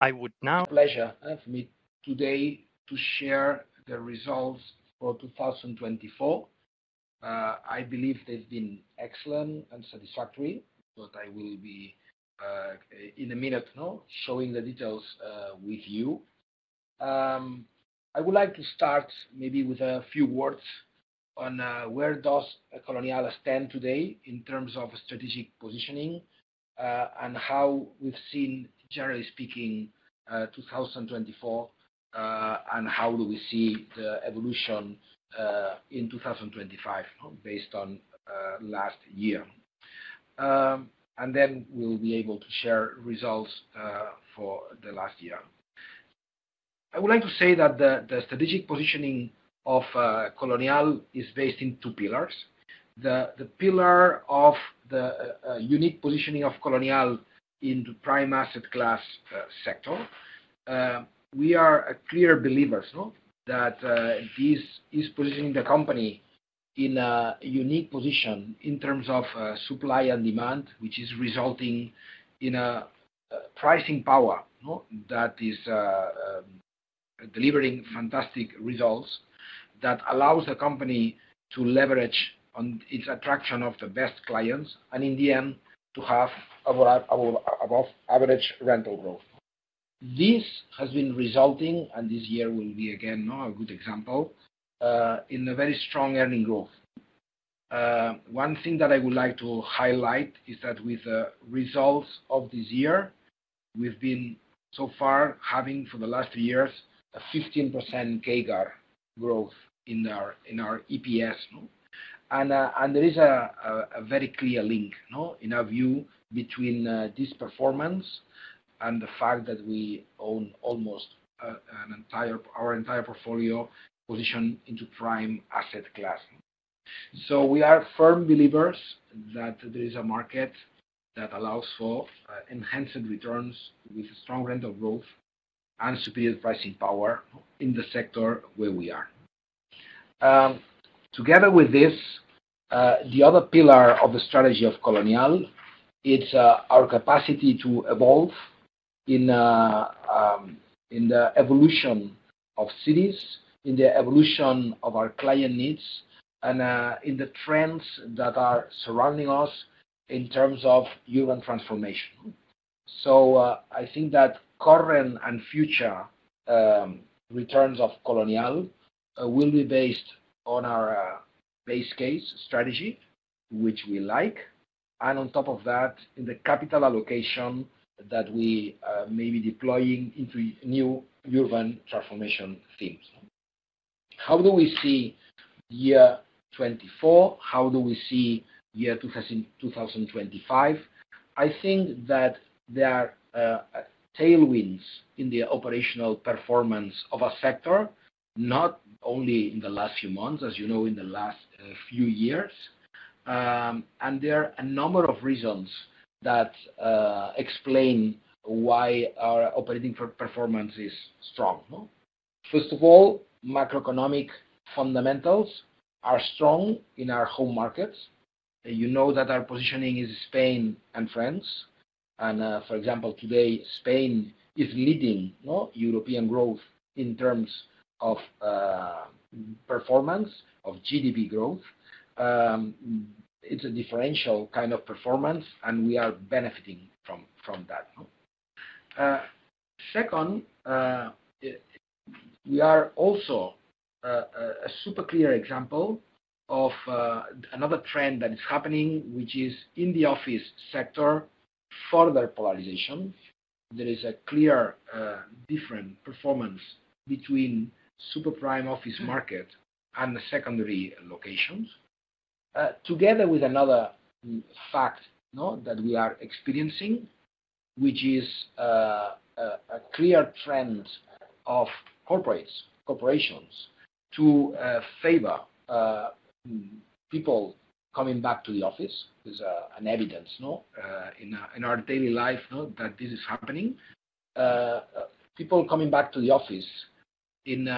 I would now- pleasure for me today to share the results for 2024. I believe they've been excellent and satisfactory, but I will be in a minute now showing the details with you. I would like to start maybe with a few words on where does Colonial stands today in terms of strategic positioning and how we've seen, generally speaking, 2024, and how we see the evolution in 2025 based on last year. And then we'll be able to share results for the last year. I would like to say that the strategic positioning of Colonial is based on two pillars. The pillar of the unique positioning of Colonial in the prime asset class sector. We are clear believers that this is positioning the company in a unique position in terms of supply and demand, which is resulting in a pricing power that is delivering fantastic results that allows the company to leverage on its attraction of the best clients and, in the end, to have above-average rental growth. This has been resulting, and this year will be again a good example, in a very strong earnings growth. One thing that I would like to highlight is that with the results of this year, we've been so far having for the last three years a 15% CAGR growth in our EPS, and there is a very clear link in our view between this performance and the fact that we own almost our entire portfolio positioned into prime asset class. We are firm believers that there is a market that allows for enhanced returns with strong rental growth and superior pricing power in the sector where we are. Together with this, the other pillar of the strategy of Colonial is our capacity to evolve in the evolution of cities, in the evolution of our client needs, and in the trends that are surrounding us in terms of urban transformation. I think that current and future returns of Colonial will be based on our base case strategy, which we like, and on top of that, in the capital allocation that we may be deploying into new urban transformation themes. How do we see year 2024? How do we see year 2025? I think that there are tailwinds in the operational performance of a sector, not only in the last few months, as you know, in the last few years. There are a number of reasons that explain why our operating performance is strong. First of all, macroeconomic fundamentals are strong in our home markets. You know that our positioning is Spain and France. For example, today, Spain is leading European growth in terms of performance of GDP growth. It's a differential kind of performance, and we are benefiting from that. Second, we are also a super clear example of another trend that is happening, which is in the office sector, further polarization. There is a clear different performance between super prime office market and the secondary locations. Together with another fact that we are experiencing, which is a clear trend of corporations to favor people coming back to the office. There's an evidence in our daily life that this is happening. People coming back to the office in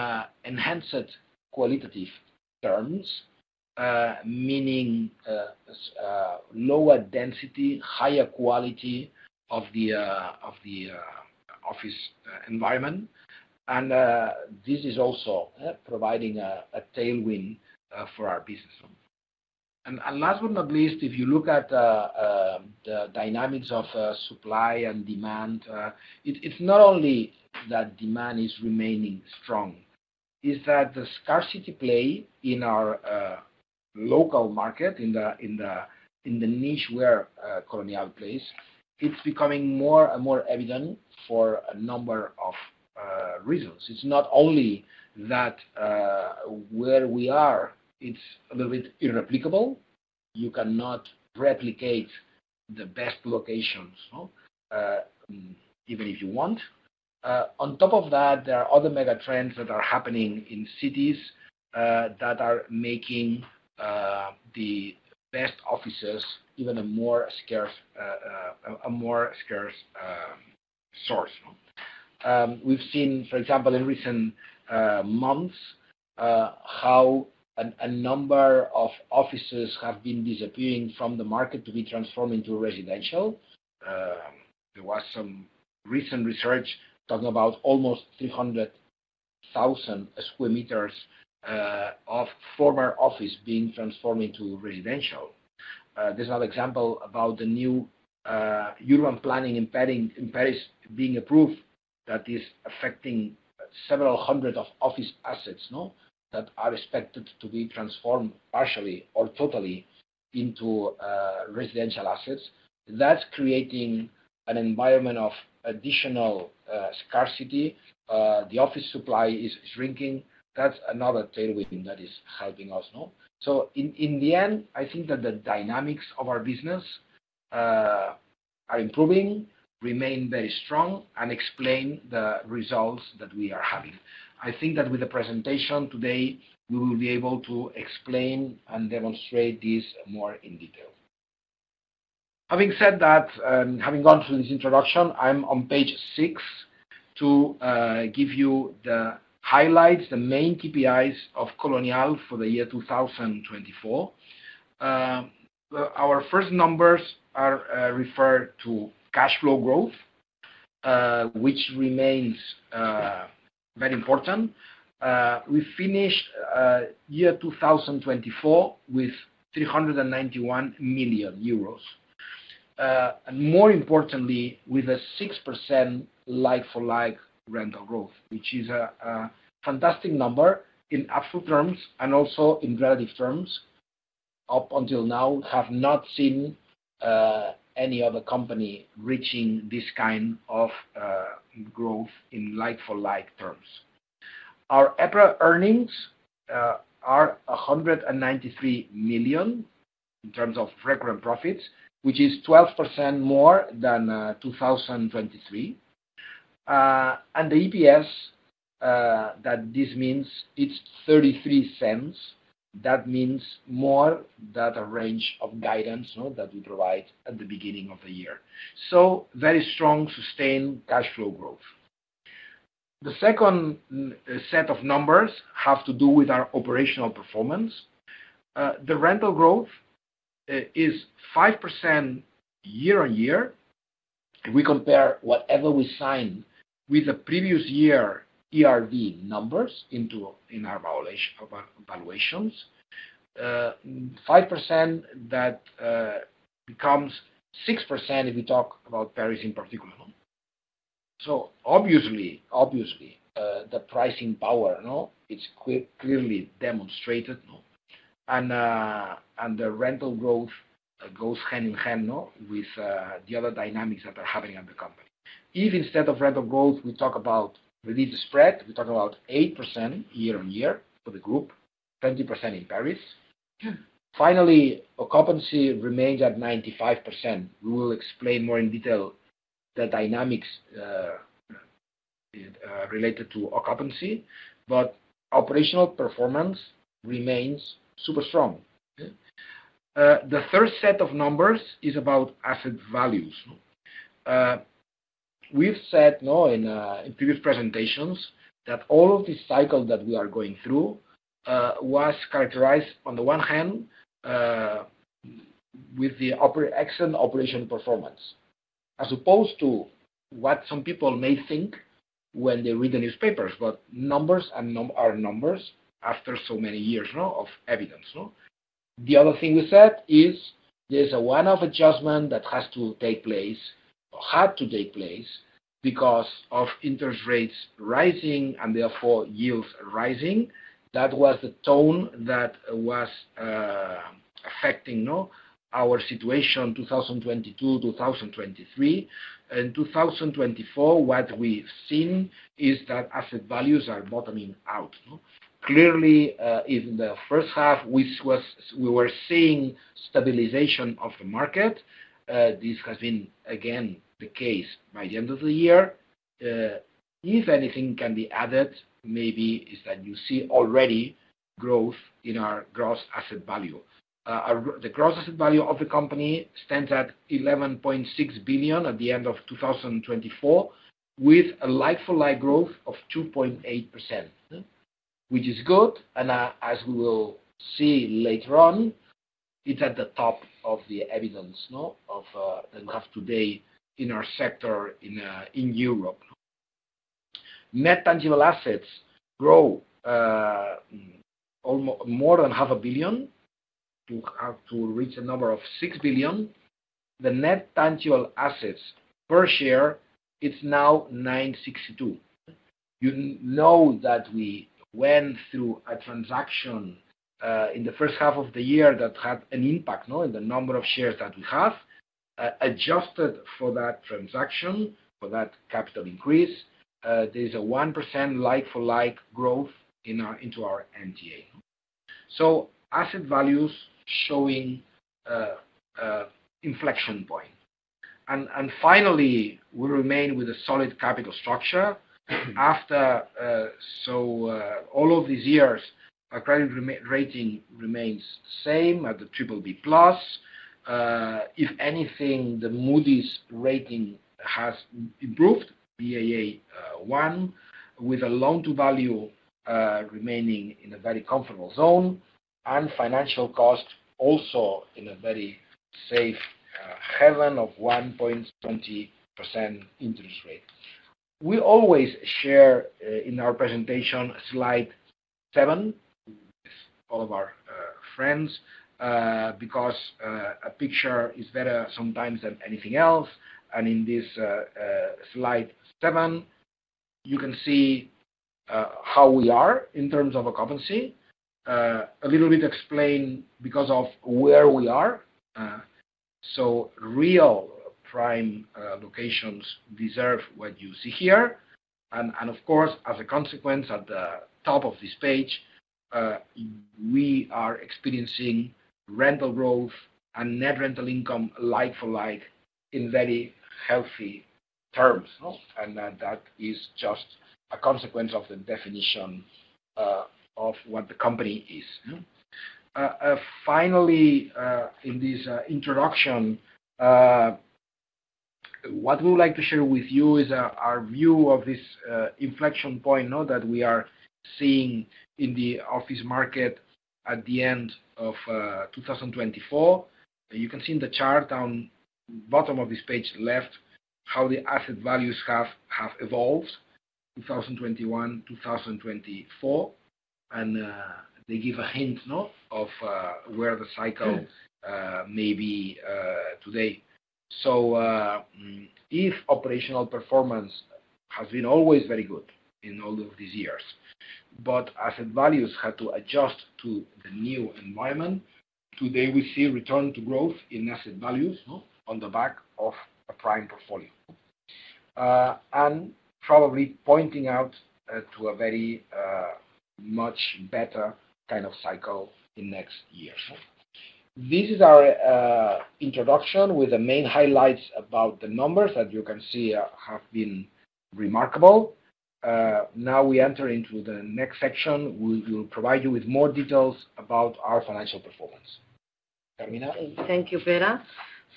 enhanced qualitative terms, meaning lower density, higher quality of the office environment. And this is also providing a tailwind for our business. And last but not least, if you look at the dynamics of supply and demand, it's not only that demand is remaining strong. It's that the scarcity play in our local market, in the niche where Colonial plays, it's becoming more and more evident for a number of reasons. It's not only that where we are, it's a little bit irreplicable. You cannot replicate the best locations even if you want. On top of that, there are other mega trends that are happening in cities that are making the best offices even a more scarce source. We've seen, for example, in recent months, how a number of offices have been disappearing from the market to be transformed into residential. There was some recent research talking about almost 300,000 sq m of former office being transformed into residential. There's another example about the new urban planning imperatives being approved that is affecting several hundreds of office assets that are expected to be transformed partially or totally into residential assets. That's creating an environment of additional scarcity. The office supply is shrinking. That's another tailwind that is helping us. So in the end, I think that the dynamics of our business are improving, remain very strong, and explain the results that we are having. I think that with the presentation today, we will be able to explain and demonstrate this more in detail. Having said that, having gone through this introduction, I'm on page six to give you the highlights, the main KPIs of Colonial for the year 2024. Our first numbers refer to cash flow growth, which remains very important. We finished year 2024 with 391 million euros. And more importantly, with a 6% like-for-like rental growth, which is a fantastic number in absolute terms and also in relative terms. Up until now, we have not seen any other company reaching this kind of growth in like-for-like terms. Our EPRA earnings are 193 million in terms of recurrent profits, which is 12% more than 2023. And the EPS that this means, it's 0.33. That means more than the range of guidance that we provide at the beginning of the year. So very strong, sustained cash flow growth. The second set of numbers has to do with our operational performance. The rental growth is 5% year-on-year. If we compare whatever we signed with the previous year ERV numbers in our valuations, 5% that becomes 6% if we talk about Paris in particular. So obviously, the pricing power, it's clearly demonstrated. And the rental growth goes hand in hand with the other dynamics that are happening at the company. If instead of rental growth, we talk about release spread, we talk about 8% year-on-year for the group, 20% in Paris. Finally, occupancy remains at 95%. We will explain more in detail the dynamics related to occupancy, but operational performance remains super strong. The third set of numbers is about asset values. We've said in previous presentations that all of this cycle that we are going through was characterized, on the one hand, with the excellent operational performance, as opposed to what some people may think when they read the newspapers, but numbers are numbers after so many years of evidence. The other thing we said is there's a one-off adjustment that has to take place, had to take place because of interest rates rising and therefore yields rising. That was the tone that was affecting our situation 2022, 2023. In 2024, what we've seen is that asset values are bottoming out. Clearly, in the first half, we were seeing stabilization of the market. This has been, again, the case by the end of the year. If anything can be added, maybe it's that you see already growth in our gross asset value. The gross asset value of the company stands at 11.6 billion at the end of 2024, with a like-for-like growth of 2.8%, which is good and as we will see later on, it's at the top of the evidence that we have today in our sector in Europe. Net Tangible Assets grow more than 500 million to reach 6 billion. The Net Tangible Assets per share is now 9.62. You know that we went through a transaction in the first half of the year that had an impact in the number of shares that we have. Adjusted for that transaction, for that capital increase, there's a 1% like-for-like growth into our NTA. So asset values showing inflection point. And finally, we remain with a solid capital structure. After all of these years, our credit rating remains the same at the BBB+. If anything, the Moody's rating has improved, Baa1, with a loan-to-value remaining in a very comfortable zone and financial cost also in a very safe haven of 1.20% interest rate. We always share in our presentation slide 7 with all of our friends because a picture is better sometimes than anything else. And in this slide 7, you can see how we are in terms of occupancy. A little bit explained because of where we are. So real prime locations deserve what you see here. And of course, as a consequence, at the top of this page, we are experiencing rental growth and net rental income like-for-like in very healthy terms. And that is just a consequence of the definition of what the company is. Finally, in this introduction, what we would like to share with you is our view of this inflection point that we are seeing in the office market at the end of 2024. You can see in the chart down bottom of this page left how the asset values have evolved 2021, 2024. They give a hint of where the cycle may be today. So if operational performance has been always very good in all of these years, but asset values had to adjust to the new environment, today we see return to growth in asset values on the back of a prime portfolio. And probably pointing out to a very much better kind of cycle in next years. This is our introduction with the main highlights about the numbers that you can see have been remarkable. Now we enter into the next section. We will provide you with more details about our financial performance. Carmina. Thank you, Pere.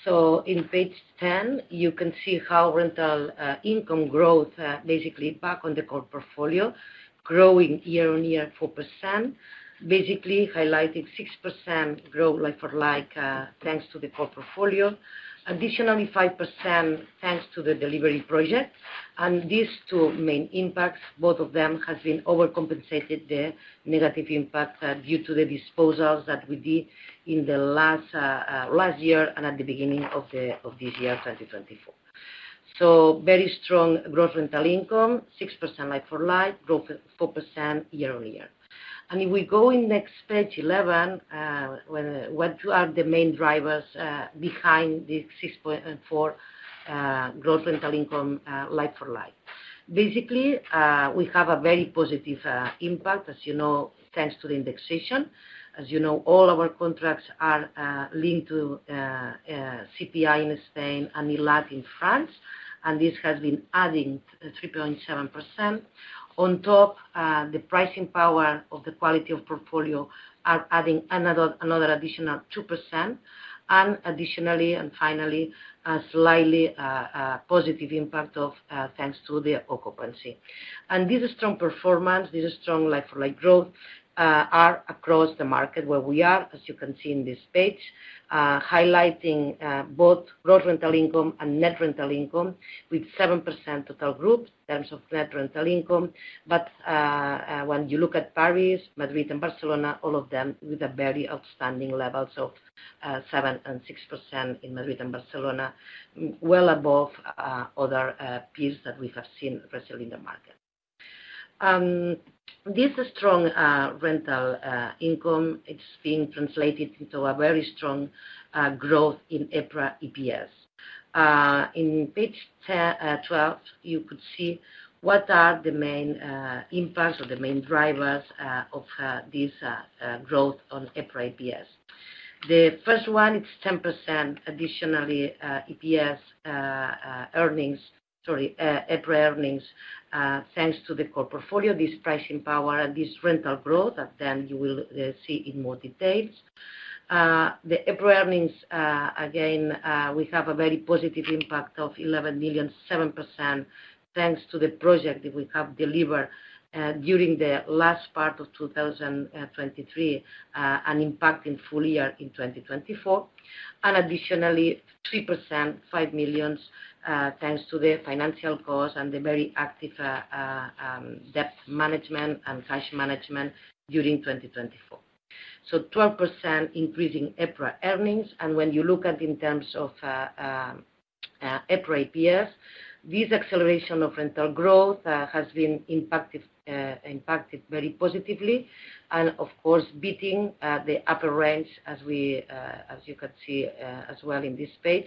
So in page 10, you can see how rental income growth, basically back on the core portfolio, growing year on year 4%. Basically highlighted 6% growth like-for-like thanks to the core portfolio. Additionally, 5% thanks to the delivery project. These two main impacts, both of them has been overcompensated, the negative impact due to the disposals that we did in the last year and at the beginning of this year, 2024. Very strong gross rental income, 6% like-for-like, growth 4% year-on-year. If we go in next page 11, what are the main drivers behind this 6.4% gross rental income like-for-like? Basically, we have a very positive impact, as you know, thanks to the indexation. As you know, all our contracts are linked to CPI in Spain and ILAT in France. This has been adding 3.7%. On top, the pricing power of the quality of portfolio are adding another additional 2%. Additionally, and finally, a slightly positive impact of thanks to the occupancy. This is strong performance. This is strong like-for-like growth across the market where we are, as you can see in this page, highlighting both gross rental income and net rental income with 7% total group in terms of net rental income, but when you look at Paris, Madrid, and Barcelona, all of them with a very outstanding level of 7% and 6% in Madrid and Barcelona, well above other peers that we have seen recently in the market. This strong rental income, it's being translated into a very strong growth in EPRA EPS. In page 12, you could see what are the main impacts or the main drivers of this growth on EPRA EPS. The first one, it's 10% additionally EPS earnings, sorry, EPRA earnings thanks to the core portfolio, this pricing power, and this rental growth that then you will see in more details. The EPRA earnings, again, we have a very positive impact of 11 million, 7% thanks to the project that we have delivered during the last part of 2023 and impacting full year in 2024. And additionally, 3%, 5 million, thanks to the financial costs and the very active debt management and cash management during 2024. So 12% increasing EPRA earnings. And when you look at in terms of EPRA EPS, this acceleration of rental growth has been impacted very positively. And of course, beating the upper range, as you could see as well in this page.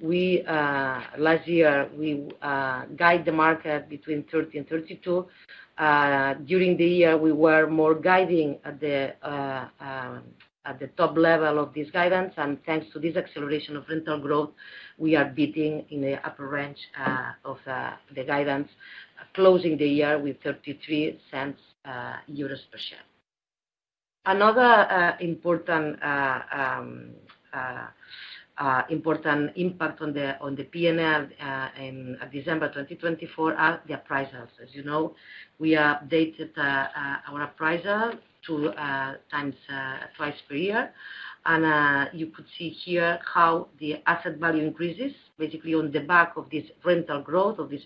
Last year, we guided the market between 30 and 32. During the year, we were more guiding at the top level of this guidance. And thanks to this acceleration of rental growth, we are beating in the upper range of the guidance, closing the year with 0.33 per share. Another important impact on the P&L in December 2024 are the appraisals. As you know, we updated our appraisal to twice per year, and you could see here how the asset value increases, basically on the back of this rental growth of this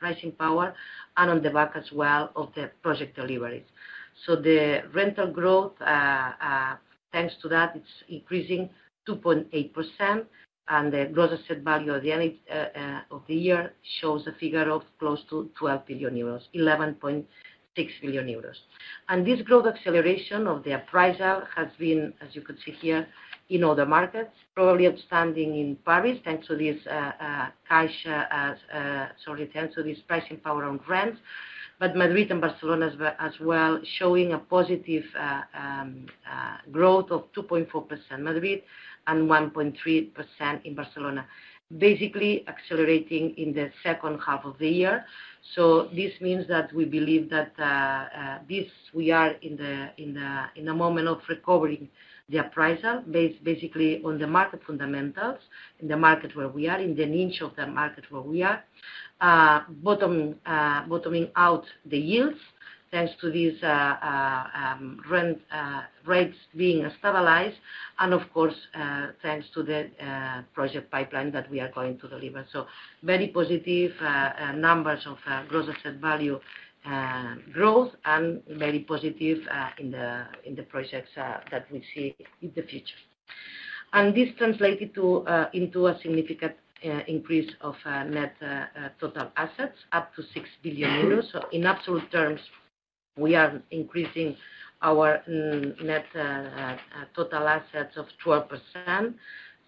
pricing power and on the back as well of the project deliveries, so the rental growth, thanks to that, it's increasing 2.8%, and the gross asset value at the end of the year shows a figure of close to 12 billion euros, 11.6 billion euros, and this growth acceleration of the appraisal has been, as you could see here, in other markets, probably outstanding in Paris thanks to this cash, sorry, thanks to this pricing power on rent, but Madrid and Barcelona as well, showing a positive growth of 2.4% Madrid and 1.3% in Barcelona, basically accelerating in the second half of the year. So this means that we believe that this we are in the moment of recovering the appraisal, basically on the market fundamentals, in the market where we are, in the niche of the market where we are, bottoming out the yields thanks to these rent rates being stabilized. And of course, thanks to the Project Pipeline that we are going to deliver. So very positive numbers of gross asset value growth and very positive in the projects that we see in the future. And this translated into a significant increase of net tangible assets up to 6 billion euros. So in absolute terms, we are increasing our net tangible assets 12%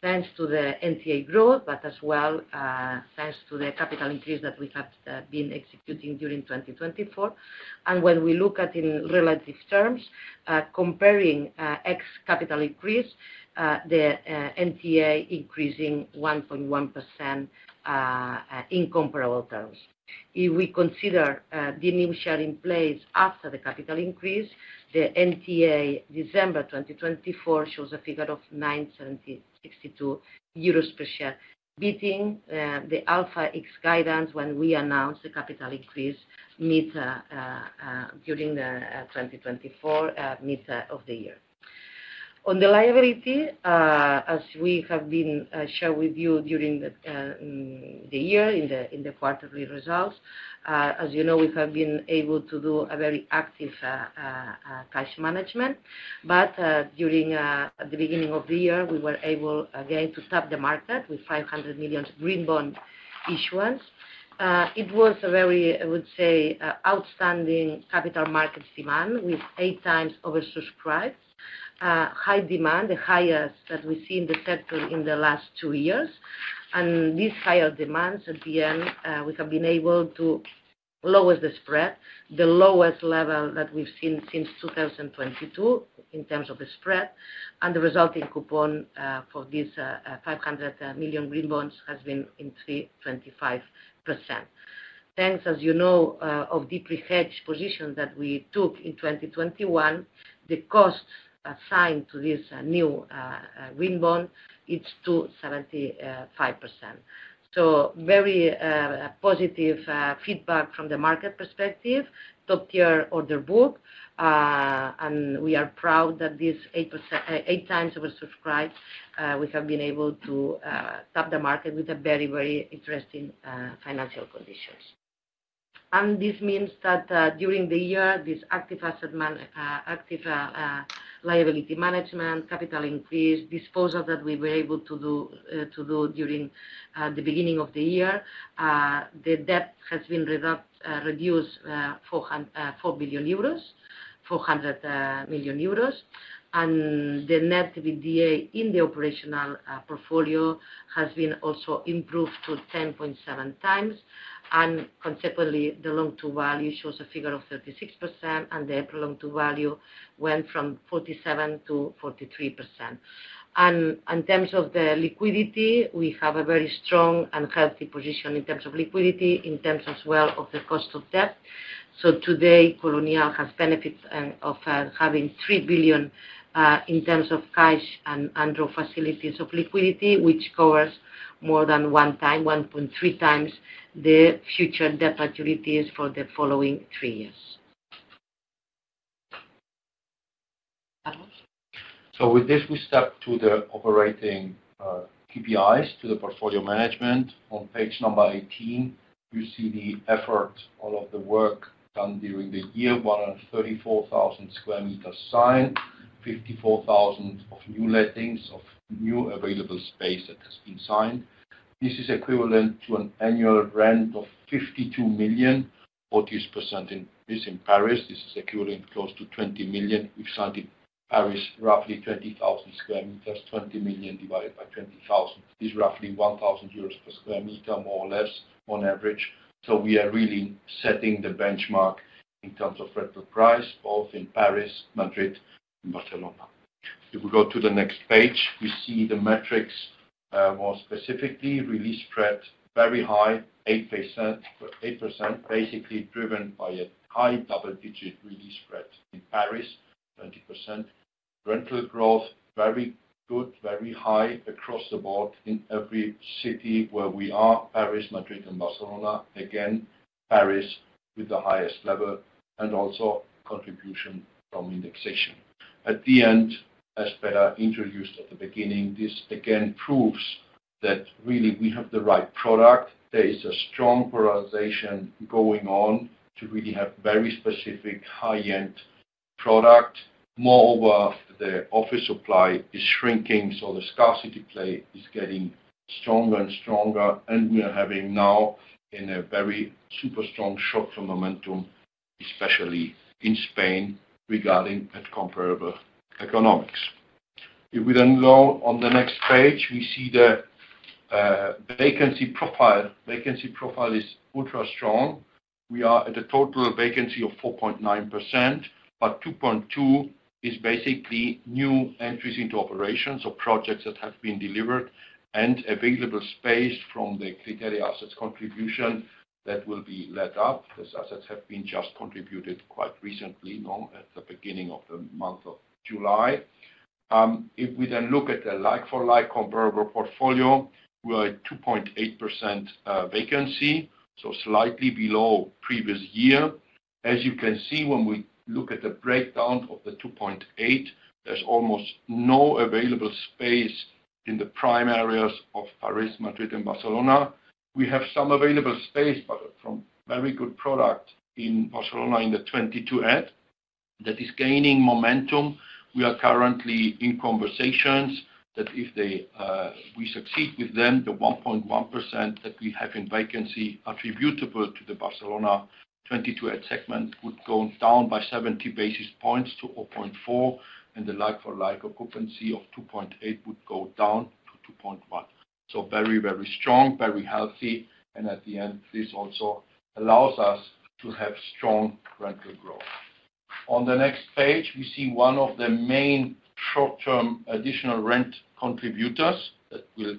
thanks to the NTA growth, but as well thanks to the capital increase that we have been executing during 2024. And when we look at in relative terms, comparing ex-capital increase, the NTA increasing 1.1% in comparable terms. If we consider the new share in place after the capital increase, the NTA December 2024 shows a figure of 9.62 euros per share, beating the Alpha X guidance when we announced the capital increase during the 2024 mid of the year. On the liability, as we have been shared with you during the year in the quarterly results, as you know, we have been able to do a very active cash management. But during the beginning of the year, we were able again to tap the market with 500 million green bond issuance. It was a very, I would say, outstanding capital markets demand with eight times oversubscribed, high demand, the highest that we see in the sector in the last two years. And these higher demands at the end, we have been able to lower the spread, the lowest level that we've seen since 2022 in terms of the spread. And the resulting coupon for these 500 million green bonds has been 3.25%. Thanks to the deeply hedged position that we took in 2021, the all-in cost assigned to this new green bond is 2.75%. So very positive feedback from the market perspective, top-tier order book. And we are proud that this was eight times oversubscribed, we have been able to tap the market with a very, very interesting financial conditions. And this means that during the year, this active asset-liability management, capital increase, disposal that we were able to do at the beginning of the year, the debt has been reduced from 4 billion euros to 400 million euros. The net EBITDA in the operational portfolio has been also improved to 10.7 times. Consequently, the Loan-to-Value shows a figure of 36%, and the Loan-to-Value went from 47% to 43%. In terms of the liquidity, we have a very strong and healthy position in terms of liquidity, in terms as well of the cost of debt. Today, Colonial has benefits of having 3 billion in terms of cash and other facilities of liquidity, which covers more than one time, 1.3 times the future debt maturities for the following three years. Carlos. With this, we step to the operating KPIs, to the portfolio management. On page number 18, you see the effort, all of the work done during the year, 134,000 sq m signed, 54,000 sq m of new lettings of new available space that has been signed. This is equivalent to an annual rent of 52 million. 40% is in Paris. This is equivalent close to 20 million. We've signed in Paris, roughly 20,000 sq m, 20 million divided by 20,000 sq m. This is roughly 1,000 euros per sq m, more or less, on average. So we are really setting the benchmark in terms of rental price, both in Paris, Madrid, and Barcelona. If we go to the next page, we see the metrics more specifically, release spread, very high, 8%, basically driven by a high double-digit release spread in Paris, 20%. Rental growth, very good, very high across the board in every city where we are, Paris, Madrid, and Barcelona. Again, Paris with the highest level and also contribution from indexation. At the end, as Per introduced at the beginning, this again proves that really we have the right product. There is a strong polarization going on to really have very specific high-end product. Moreover, the office supply is shrinking, so the scarcity play is getting stronger and stronger. And we are having now a very super strong short-term momentum, especially in Spain, regarding comparable economics. If we then go on the next page, we see the vacancy profile. Vacancy profile is ultra strong. We are at a total vacancy of 4.9%, but 2.2% is basically new entries into operations or projects that have been delivered and available space from the Criteria assets contribution that will be let up. These assets have been just contributed quite recently, at the beginning of the month of July. If we then look at the like-for-like comparable portfolio, we are at 2.8% vacancy, so slightly below previous year. As you can see, when we look at the breakdown of the 2.8, there's almost no available space in the prime areas of Paris, Madrid, and Barcelona. We have some available space, but from very good product in Barcelona in the 22@ that is gaining momentum. We are currently in conversations that if we succeed with them, the 1.1% that we have in vacancy attributable to the Barcelona 22@ segment would go down by 70 basis points to 0.4, and the like-for-like occupancy of 2.8 would go down to 2.1. So very, very strong, very healthy. And at the end, this also allows us to have strong rental growth. On the next page, we see one of the main short-term additional rent contributors that will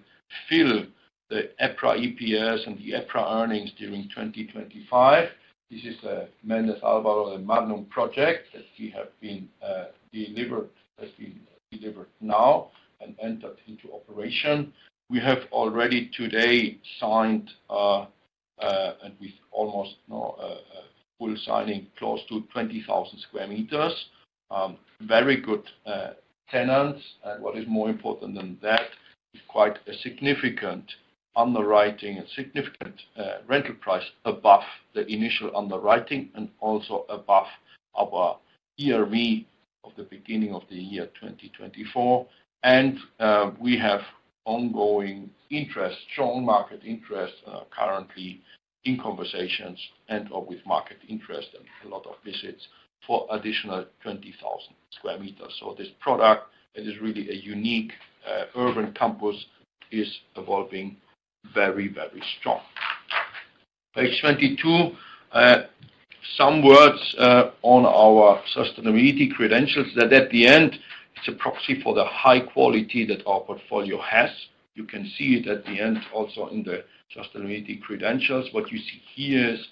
fill the EPRA EPS and the EPRA earnings during 2025. This is the Méndez Álvaro and Madnum project that we have been delivered now and entered into operation. We have already today signed and with almost full signing close to 20,000 sq m. Very good tenants. What is more important than that is quite a significant underwriting and significant rental price above the initial underwriting and also above our ERV of the beginning of the year 2024. We have ongoing interest, strong market interest, currently in conversations and with market interest and a lot of visits for additional 20,000 sq m. This product, it is really a unique urban campus, is evolving very, very strong. Page 22, some words on our sustainability credentials that at the end, it's a proxy for the high quality that our portfolio has. You can see it at the end also in the sustainability credentials. What you see here is,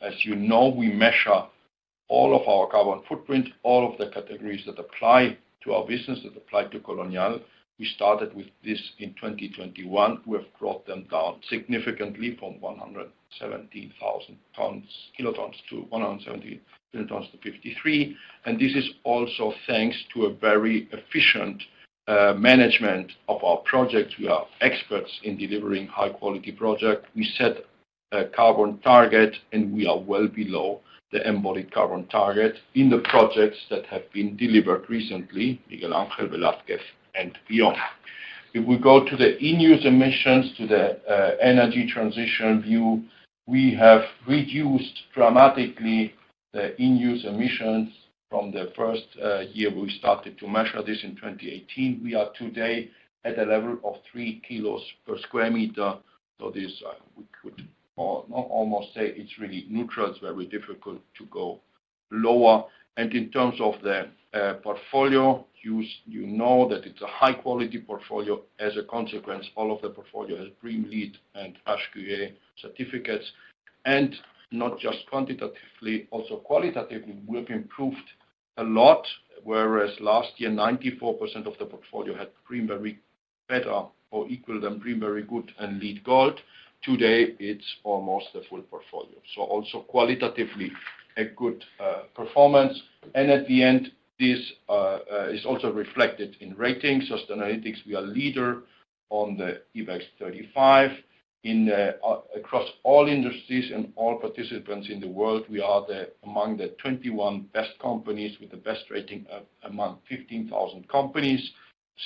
as you know, we measure all of our carbon footprint, all of the categories that apply to our business that apply to Colonial. We started with this in 2021. We have brought them down significantly from 117,000 t to- 117,000 kt to 53,000 kt, and this is also thanks to a very efficient management of our projects. We are experts in delivering high-quality projects. We set a carbon target, and we are well below the embodied carbon target in the projects that have been delivered recently, Miguel Ángel, Velázquez, and beyond. If we go to the in-use emissions, to the energy transition view, we have reduced dramatically the in-use emissions from the first year we started to measure this in 2018. We are today at a level of 3 kilos per sq m, so we could almost say it's really neutral. It's very difficult to go lower, and in terms of the portfolio, you know that it's a high-quality portfolio. As a consequence, all of the portfolio has BREEAM, LEED, and HQE certificates, and not just quantitatively, also qualitatively, we have improved a lot, whereas last year, 94% of the portfolio had BREEAM very good or better than BREEAM very good, and LEED gold. Today, it's almost a full portfolio, so also qualitatively, a good performance, and at the end, this is also reflected in ratings. Sustainalytics, we are leader on the IBEX 35. Across all industries and all participants in the world, we are among the 21 best companies with the best rating among 15,000 companies.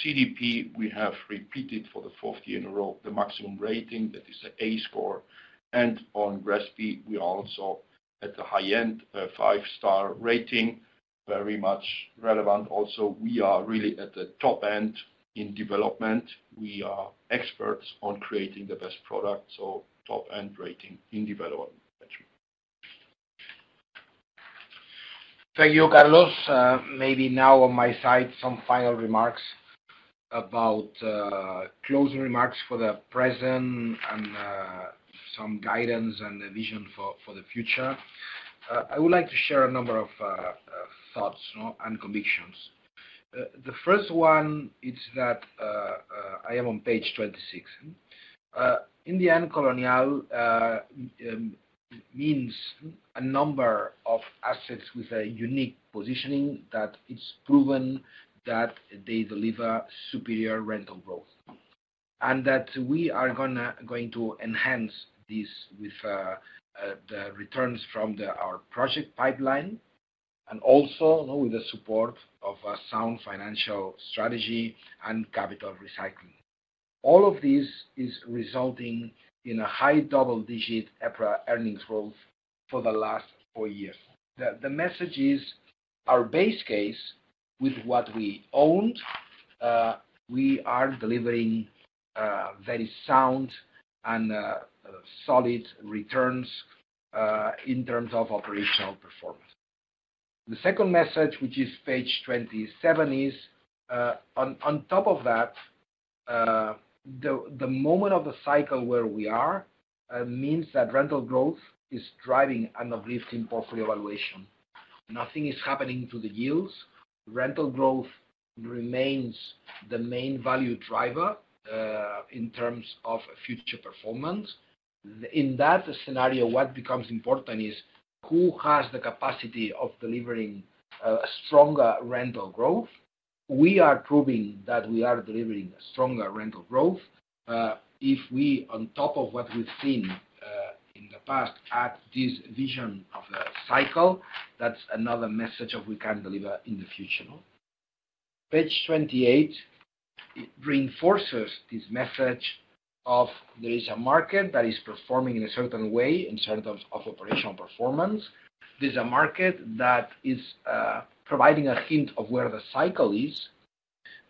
CDP, we have repeated for the fourth year in a row the maximum rating that is an A score, and on GRESB, we are also at the high-end five-star rating, very much relevant. Also, we are really at the top end in development. We are experts on creating the best product. So top-end rating in development. Thank you, Carlos. Maybe now on my side, some final remarks about closing remarks for the present and some guidance and the vision for the future. I would like to share a number of thoughts and convictions. The first one is that I am on page 26. In the end, Colonial means a number of assets with a unique positioning that it's proven that they deliver superior rental growth, and that we are going to enhance this with the returns from our Project Pipeline and also with the support of a sound financial strategy and capital recycling. All of this is resulting in a high double-digit EPRA earnings growth for the last four years. The message is our base case with what we owned. We are delivering very sound and solid returns in terms of operational performance. The second message, which is page 27, is on top of that. The moment of the cycle where we are means that rental growth is driving and uplifting portfolio evaluation. Nothing is happening to the yields. Rental growth remains the main value driver in terms of future performance. In that scenario, what becomes important is who has the capacity of delivering stronger rental growth. We are proving that we are delivering stronger rental growth. If we, on top of what we've seen in the past, add this vision of the cycle, that's another message of we can deliver in the future. Page 28 reinforces this message of there is a market that is performing in a certain way in terms of operational performance. There's a market that is providing a hint of where the cycle is.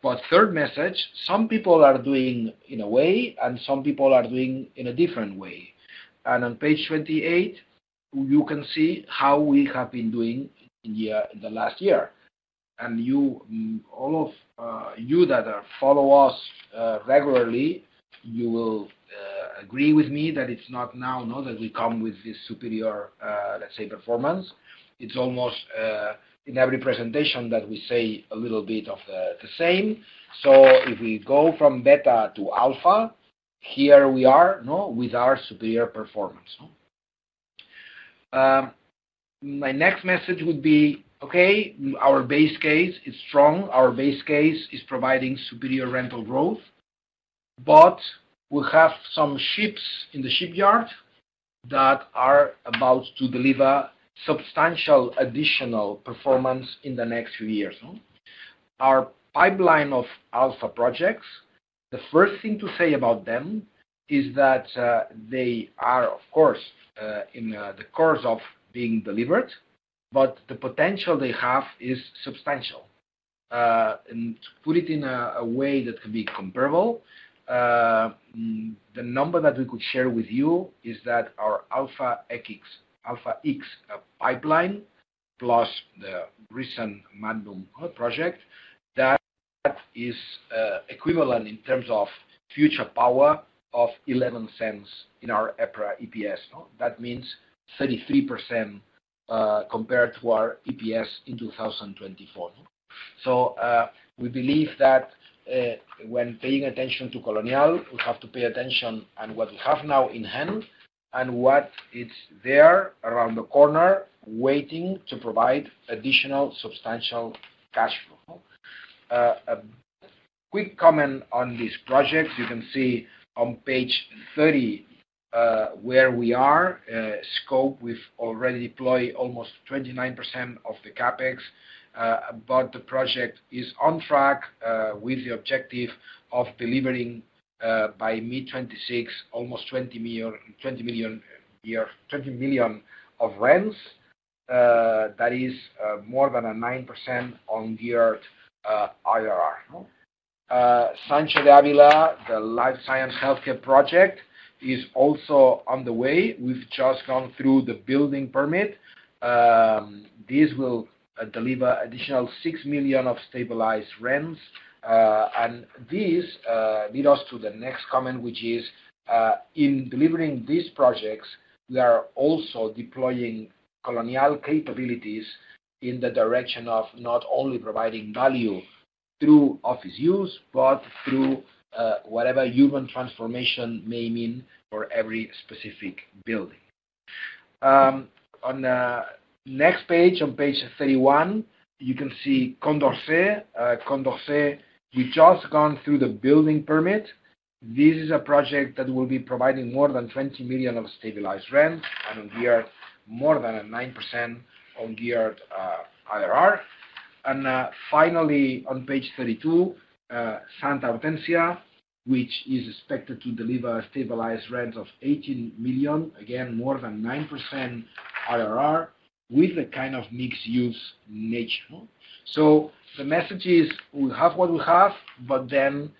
But third message, some people are doing in a way, and some people are doing in a different way. And on page 28, you can see how we have been doing in the last year. And all of you that follow us regularly, you will agree with me that it's not now that we come with this superior, let's say, performance. It's almost in every presentation that we say a little bit of the same. So if we go from Beta to Alpha, here we are with our superior performance. My next message would be, okay, our base case is strong. Our base case is providing superior rental growth, but we have some ships in the shipyard that are about to deliver substantial additional performance in the next few years. Our pipeline of Alpha projects, the first thing to say about them is that they are, of course, in the course of being delivered, but the potential they have is substantial, and to put it in a way that can be comparable, the number that we could share with you is that our Alpha X pipeline plus the recent Madnum project, that is equivalent in terms of future power of 0.11 in our EPRA EPS. That means 33% compared to our EPS in 2024, so we believe that when paying attention to Colonial, we have to pay attention on what we have now in hand and what is there around the corner waiting to provide additional substantial cash flow. Quick comment on this project. You can see on page 30 where we are. Scope, we've already deployed almost 29% of the CapEx, but the project is on track with the objective of delivering by mid-2026 almost 20 million of rents. That is more than a 9% on the year IRR. Sancho de Ávila, the life science healthcare project, is also on the way. We've just gone through the building permit. This will deliver additional 6 million of stabilized rents. And this leads us to the next comment, which is in delivering these projects, we are also deploying Colonial capabilities in the direction of not only providing value through office use, but through whatever human transformation may mean for every specific building. On the next page, on page 31, you can see Condorcet. Condorcet, we've just gone through the building permit. This is a project that will be providing more than 20 million of stabilized rents. On the year, more than a 9% on the year IRR. Finally, on page 32, Santa Hortensia, which is expected to deliver stabilized rents of 18 million, again, more than 9% IRR with the kind of mixed-use nature. The message is we have what we have, but then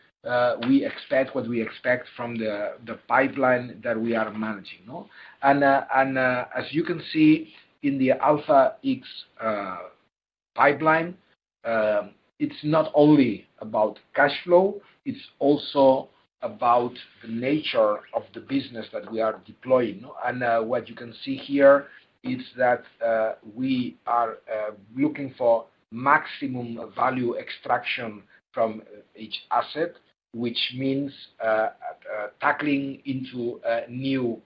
we expect what we expect from the pipeline that we are managing. As you can see in the Alpha X Pipeline, it's not only about cash flow. It's also about the nature of the business that we are deploying. What you can see here is that we are looking for maximum value extraction from each asset, which means tackling into new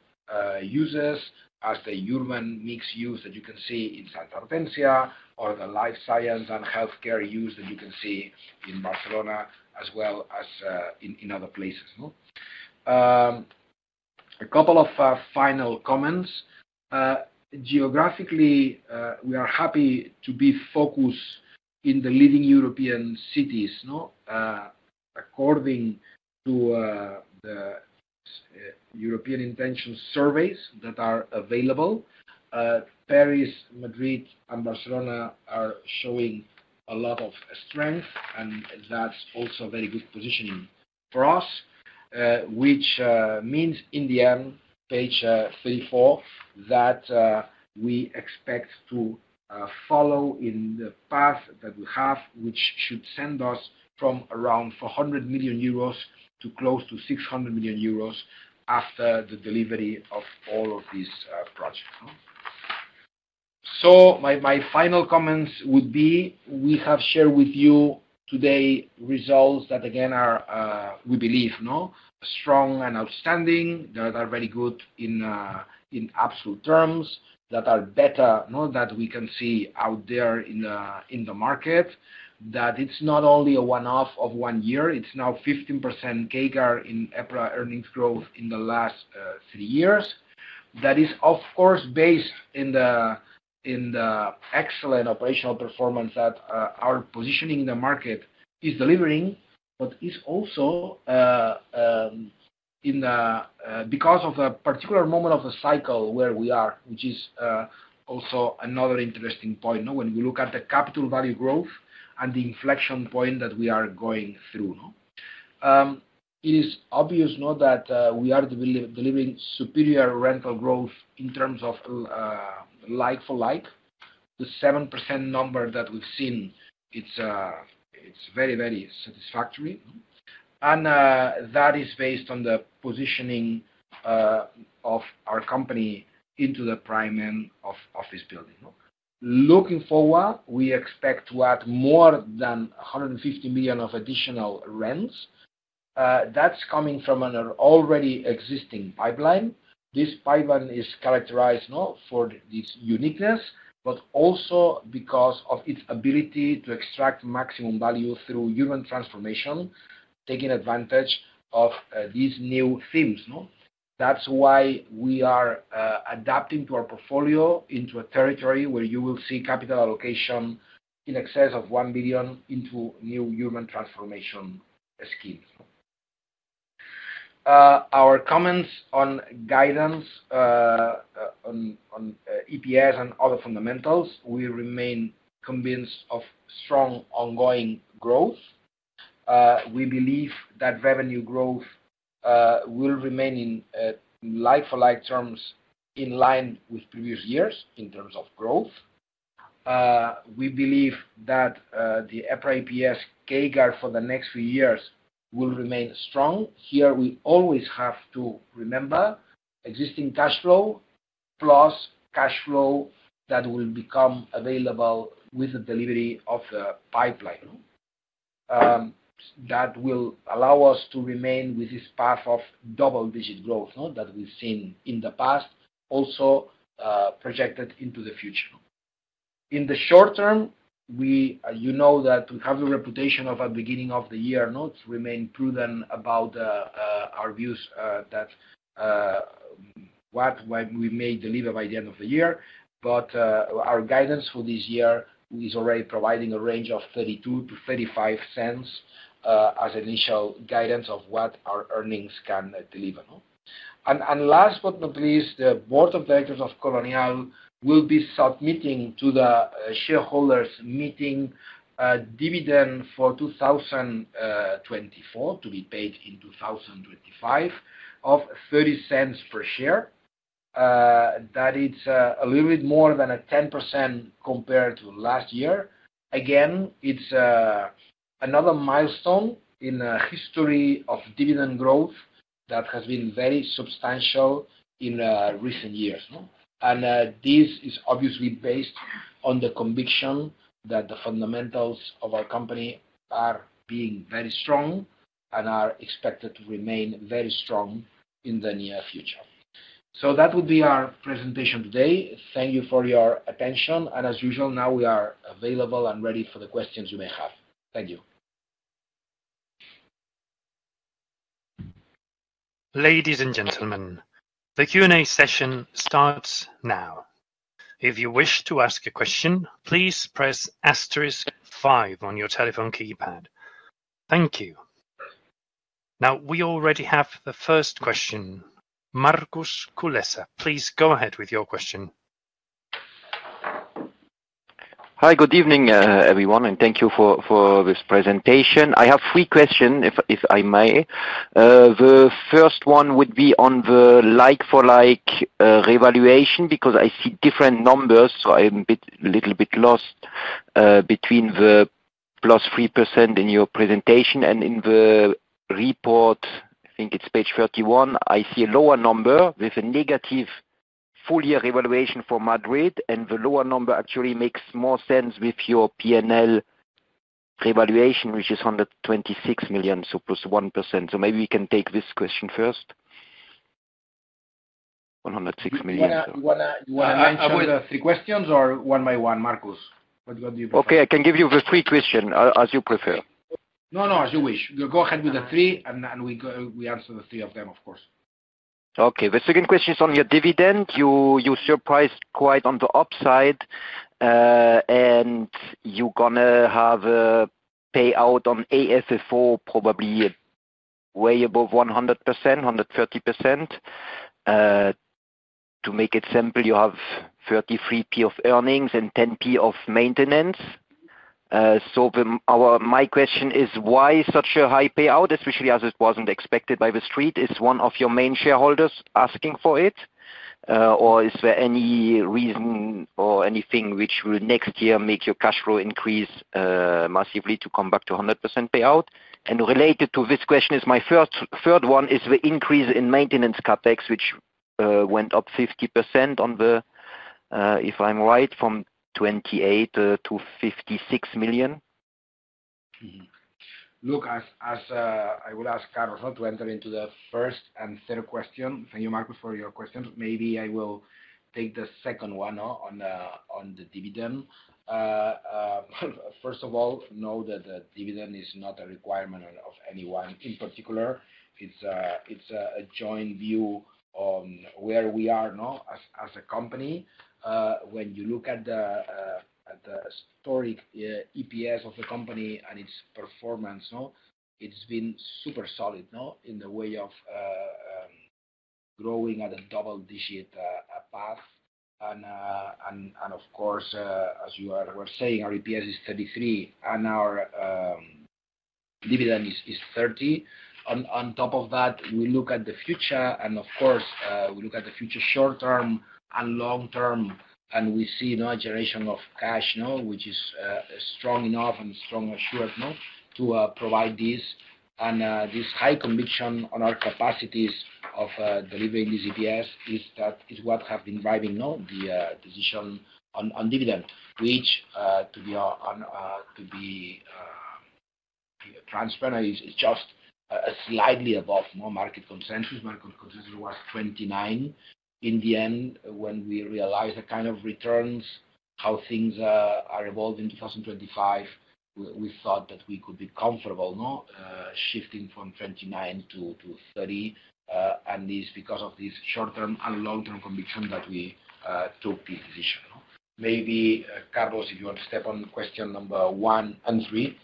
uses as the urban mixed use that you can see in Santa Hortensia or the life science and healthcare use that you can see in Barcelona as well as in other places. A couple of final comments. Geographically, we are happy to be focused in the leading European cities. According to the European intention surveys that are available, Paris, Madrid, and Barcelona are showing a lot of strength, and that's also a very good positioning for us, which means in the end, page 34, that we expect to follow in the path that we have, which should send us from around 400 million euros to close to 600 million euros after the delivery of all of these projects. So my final comments would be we have shared with you today results that, again, we believe strong and outstanding, that are very good in absolute terms, that are better than we can see out there in the market, that it's not only a one-off of one year. It's now 15% CAGR in EPRA earnings growth in the last three years. That is, of course, based in the excellent operational performance that our positioning in the market is delivering, but is also because of a particular moment of the cycle where we are, which is also another interesting point when we look at the capital value growth and the inflection point that we are going through. It is obvious that we are delivering superior rental growth in terms of like for like. The 7% number that we've seen, it's very, very satisfactory, and that is based on the positioning of our company into the prime end of this building. Looking forward, we expect to add more than 150 million of additional rents. That's coming from an already existing pipeline. This pipeline is characterized for this uniqueness, but also because of its ability to extract maximum value through urban transformation, taking advantage of these new themes. That's why we are adapting to our portfolio into a territory where you will see capital allocation in excess of 1 billion into new human transformation schemes. Our comments on guidance on EPS and other fundamentals. We remain convinced of strong ongoing growth. We believe that revenue growth will remain in like for like terms in line with previous years in terms of growth. We believe that the EPRA EPS CAGR for the next few years will remain strong. Here, we always have to remember existing cash flow plus cash flow that will become available with the delivery of the pipeline. That will allow us to remain with this path of double-digit growth that we've seen in the past, also projected into the future. In the short term, you know that we have the reputation of, at the beginning of the year, to remain prudent about our views that what we may deliver by the end of the year. But our guidance for this year is already providing a range of 0.32-0.35 as initial guidance of what our earnings can deliver. And last but not least, the board of directors of Colonial will be submitting to the shareholders' meeting dividend for 2024 to be paid in 2025 of 0.30 per share. That is a little bit more than a 10% compared to last year. Again, it's another milestone in the history of dividend growth that has been very substantial in recent years. And this is obviously based on the conviction that the fundamentals of our company are being very strong and are expected to remain very strong in the near future. So that would be our presentation today. Thank you for your attention. And as usual, now we are available and ready for the questions you may have. Thank you. Ladies and gentlemen, the Q&A session starts now. If you wish to ask a question, please press asterisk five on your telephone keypad. Thank you. Now, we already have the first question. Markus Kulessa, please go ahead with your question. Hi, good evening, everyone, and thank you for this presentation. I have three questions, if I may. The first one would be on the like for like revaluation because I see different numbers, so I'm a little bit lost between the plus 3% in your presentation and in the report. I think it's page 31. I see a lower number with a negative full year revaluation for Madrid, and the lower number actually makes more sense with your P&L revaluation, which is 126 million, so +1%. So maybe we can take this question first. 106 million. Yeah, you want to answer the three questions or one by one, Markus? What do you prefer? Okay, I can give you the three questions as you prefer. No, no, as you wish. Go ahead with the three, and we answer the three of them, of course. Okay, the second question is on your dividend. You surprised quite on the upside, and you're going to have a payout on AFFO, probably way above 100%, 130%. To make it simple, you have 0.33 of earnings and 0.10 of maintenance. So my question is, why such a high payout, especially as it wasn't expected by the street? Is one of your main shareholders asking for it? Or is there any reason or anything which will next year make your cash flow increase massively to come back to 100% payout? And related to this question is my third one is the increase in maintenance CapEx, which went up 50% on the, if I'm right, from 28 million to 56 million. Look, I will ask Carlos to enter into the first and third question. Thank you, Markus, for your questions. Maybe I will take the second one on the dividend. First of all, know that the dividend is not a requirement of anyone in particular. It's a joint view on where we are as a company. When you look at the historic EPS of the company and its performance, it's been super solid in the way of growing at a double-digit path, and of course, as you were saying, our EPS is 0.33 and our dividend is 0.30. On top of that, we look at the future, and of course, we look at the future short term and long term, and we see a generation of cash, which is strong enough and strong assured to provide this, and this high conviction on our capacities of delivering these EPS is what has been driving the decision on dividend, which, to be transparent, is just slightly above market consensus. Market consensus was 29 in the end, when we realized the kind of returns, how things are evolving in 2025. We thought that we could be comfortable shifting from 29 to 30, and it's because of this short-term and long-term conviction that we took this decision. Maybe Carlos, if you want to step on question number one and three.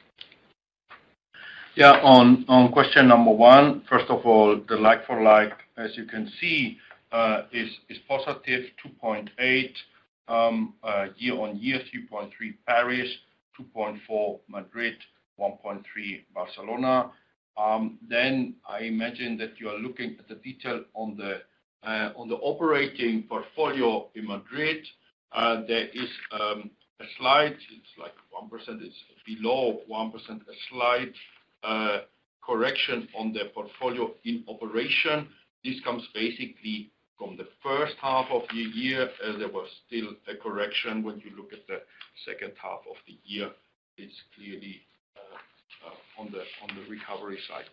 Yeah, on question number one, first of all, the like for like, as you can see, is positive, 2.8% year-on-year, 3.3% Paris, 2.4% Madrid, 1.3% Barcelona. Then I imagine that you are looking at the detail on the operating portfolio in Madrid. There is a slide, it's like 1%, it's below 1%, a slight correction on the portfolio in operation. This comes basically from the first half of the year. There was still a correction. When you look at the second half of the year, it's clearly on the recovery side.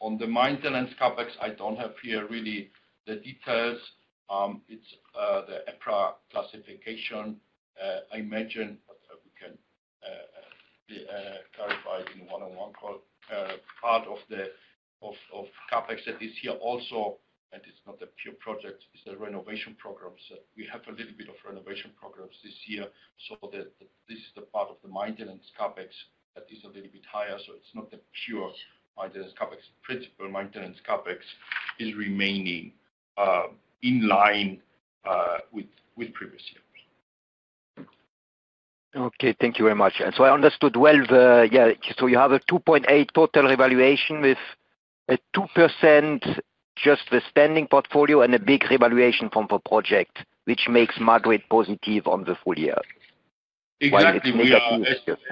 On the maintenance CapEx, I don't have here really the details. It's the EPRA classification. I imagine we can clarify in one-on-one part of the CapEx that is here also, and it's not a pure project, it's a renovation program. So we have a little bit of renovation programs this year. So this is the part of the maintenance CapEx that is a little bit higher. So it's not the pure maintenance CapEx. Principal maintenance CapEx is remaining in line with previous years. Okay, thank you very much. And so I understood well, yeah, so you have a 2.8% total revaluation with a 2% just the standing portfolio and a big revaluation from the project, which makes Madrid positive on the full year. Exactly.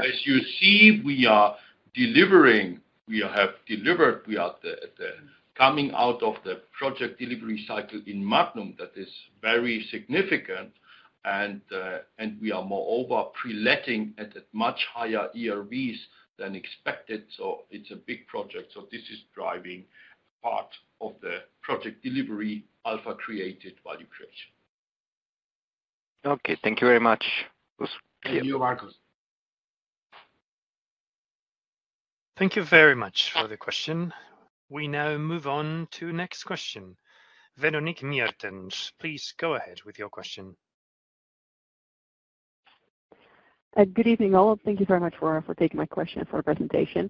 As you see, we are delivering. We have delivered. We are coming out of the project delivery cycle in Madnum that is very significant, and we are moreover pre-letting at much higher ERVs than expected. So it's a big project. So this is driving part of the project delivery Alpha created value creation. Okay, thank you very much. Thank you, Markus. Thank you very much for the question. We now move on to next question. Véronique Meertens, please go ahead with your question. Good evening all. Thank you very much for taking my question for a presentation.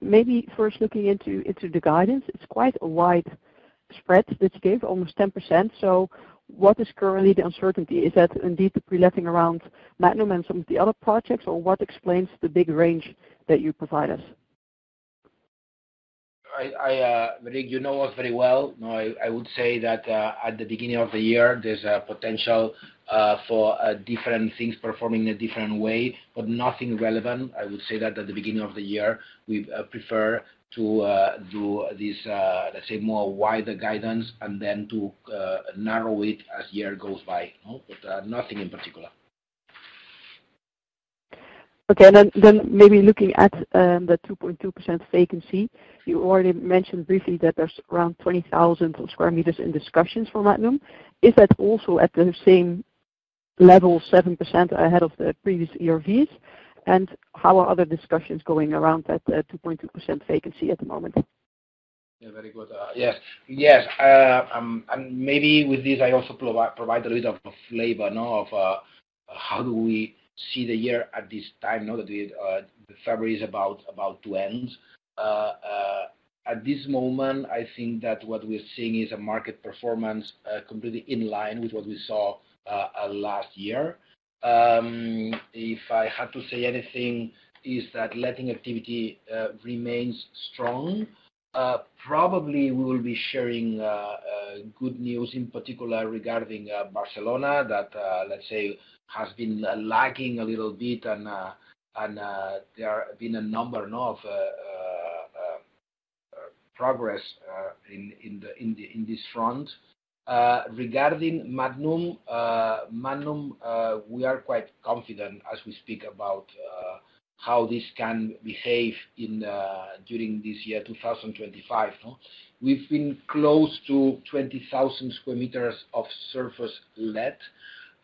Maybe first looking into the guidance, it's quite a wide spread that you gave, almost 10%. So what is currently the uncertainty? Is that indeed the pre-letting around Madnum and some of the other projects, or what explains the big range that you provide us? I think you know us very well. I would say that at the beginning of the year, there's a potential for different things performing in a different way, but nothing relevant. I would say that at the beginning of the year, we prefer to do this, let's say, more wider guidance and then to narrow it as the year goes by. But nothing in particular. Okay, and then maybe looking at the 2.2% vacancy, you already mentioned briefly that there's around 20,000 sq m in discussions for Madnum. Is that also at the same level, 7% ahead of the previous ERVs? And how are other discussions going around that 2.2% vacancy at the moment? Yeah, very good. Yes. Yes. And maybe with this, I also provide a little bit of a flavor of how do we see the year at this time now that February is about to end. At this moment, I think that what we're seeing is a market performance completely in line with what we saw last year. If I had to say anything, it's that letting activity remains strong. Probably we will be sharing good news, in particular regarding Barcelona, that, let's say, has been lagging a little bit, and there has been a number of progress in this front. Regarding Madnum, we are quite confident as we speak about how this can behave during this year, 2025. We've been close to 20,000 sq m of surface let.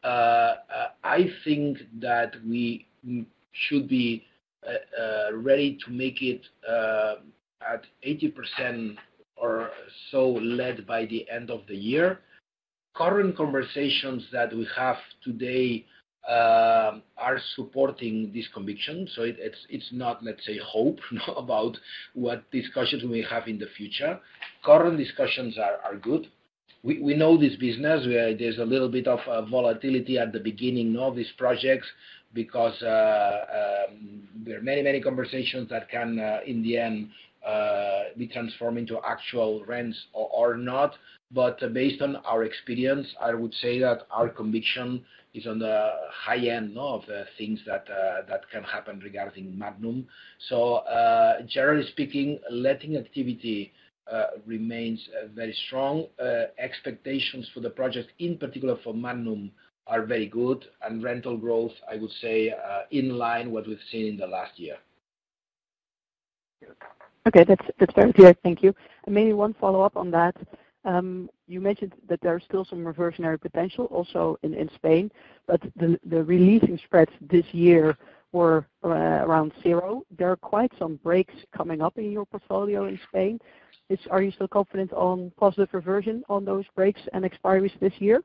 I think that we should be ready to make it at 80% or so let by the end of the year. Current conversations that we have today are supporting this conviction. So it's not, let's say, hope about what discussions we may have in the future. Current discussions are good. We know this business. There's a little bit of volatility at the beginning of these projects because there are many, many conversations that can, in the end, be transformed into actual rents or not. But based on our experience, I would say that our conviction is on the high end of things that can happen regarding Madnum. So generally speaking, letting activity remains very strong. Expectations for the project, in particular for Madnum, are very good. And rental growth, I would say, in line with what we've seen in the last year. Okay, that's fair with you. Thank you. And maybe one follow-up on that. You mentioned that there's still some reversionary potential also in Spain, but the releasing spreads this year were around zero. There are quite some breaks coming up in your portfolio in Spain. Are you still confident on positive reversion on those breaks and expiries this year?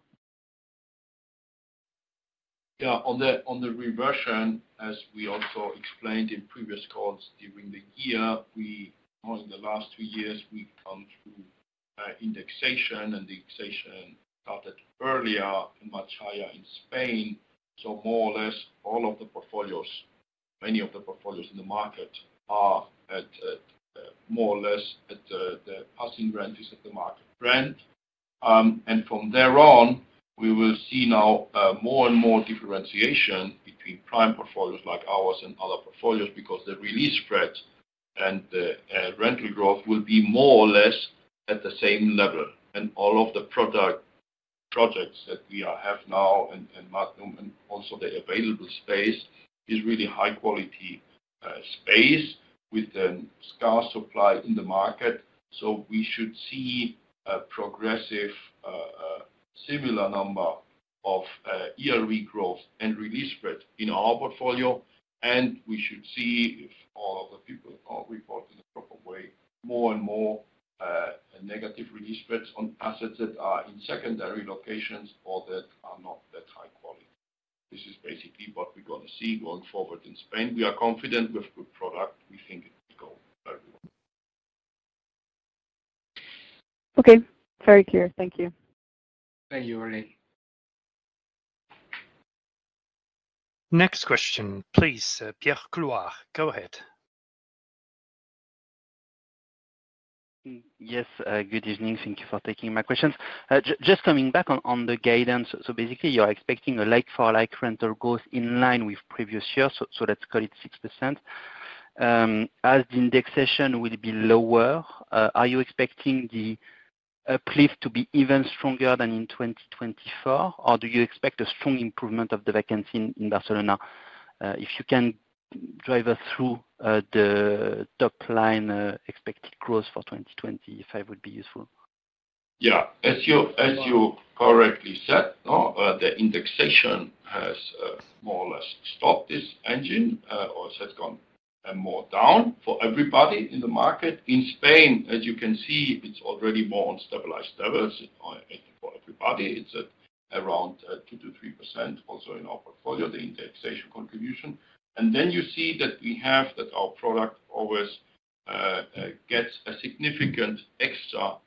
Yeah, on the reversion, as we also explained in previous calls during the year, in the last two years, we've gone through indexation, and the indexation started earlier and much higher in Spain. So more or less, all of the portfolios, many of the portfolios in the market, are more or less at the passing rent of the market rent. And from there on, we will see now more and more differentiation between prime portfolios like ours and other portfolios because the release spreads and the rental growth will be more or less at the same level. And all of the projects that we have now in Madnum and also the available space is really high-quality space with a scarce supply in the market. So we should see a progressive, similar number of ERV growth and release spreads in our portfolio. We should see, if all of the people are reporting the proper way, more and more negative release spreads on assets that are in secondary locations or that are not that high quality. This is basically what we're going to see going forward in Spain. We are confident with good product. We think it will go very well. Okay, very clear. Thank you. Thank you, Véronique. Next question, please. Pierre Clouard, go ahead. Yes, good evening. Thank you for taking my questions. Just coming back on the guidance, so basically, you're expecting a like-for-like rental growth in line with previous years, so let's call it 6%. As the indexation will be lower, are you expecting the uplift to be even stronger than in 2024, or do you expect a strong improvement of the vacancy in Barcelona? If you can drive us through the top-line expected growth for 2025, it would be useful. Yeah, as you correctly said, the indexation has more or less stopped this engine or has gone more down for everybody in the market. In Spain, as you can see, it's already more on stabilized levels for everybody. It's around 2%-3% also in our portfolio, the indexation contribution. And then you see that we have that our product always gets a significant extra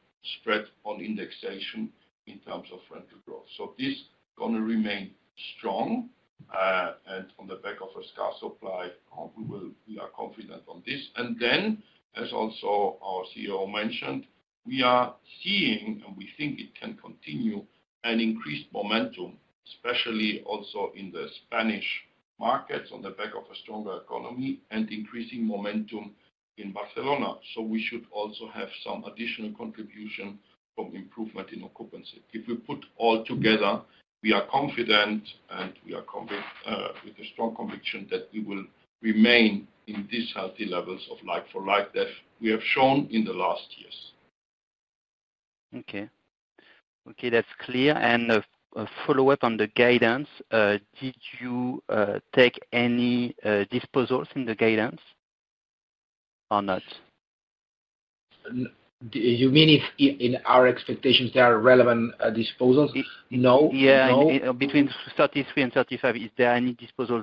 spread on indexation in terms of rental growth. So this is going to remain strong. And on the back of a scarce supply, we are confident on this. And then, as also our CEO mentioned, we are seeing, and we think it can continue, an increased momentum, especially also in the Spanish markets on the back of a stronger economy and increasing momentum in Barcelona. We should also have some additional contribution from improvement in occupancy. If we put all together, we are confident, and we are with a strong conviction that we will remain in these healthy levels of like-for-like that we have shown in the last years. Okay. Okay, that's clear. And a follow-up on the guidance. Did you take any disposals in the guidance or not? You mean in our expectations, there are relevant disposals? No. Yeah, between 33 and 35, is there any disposal?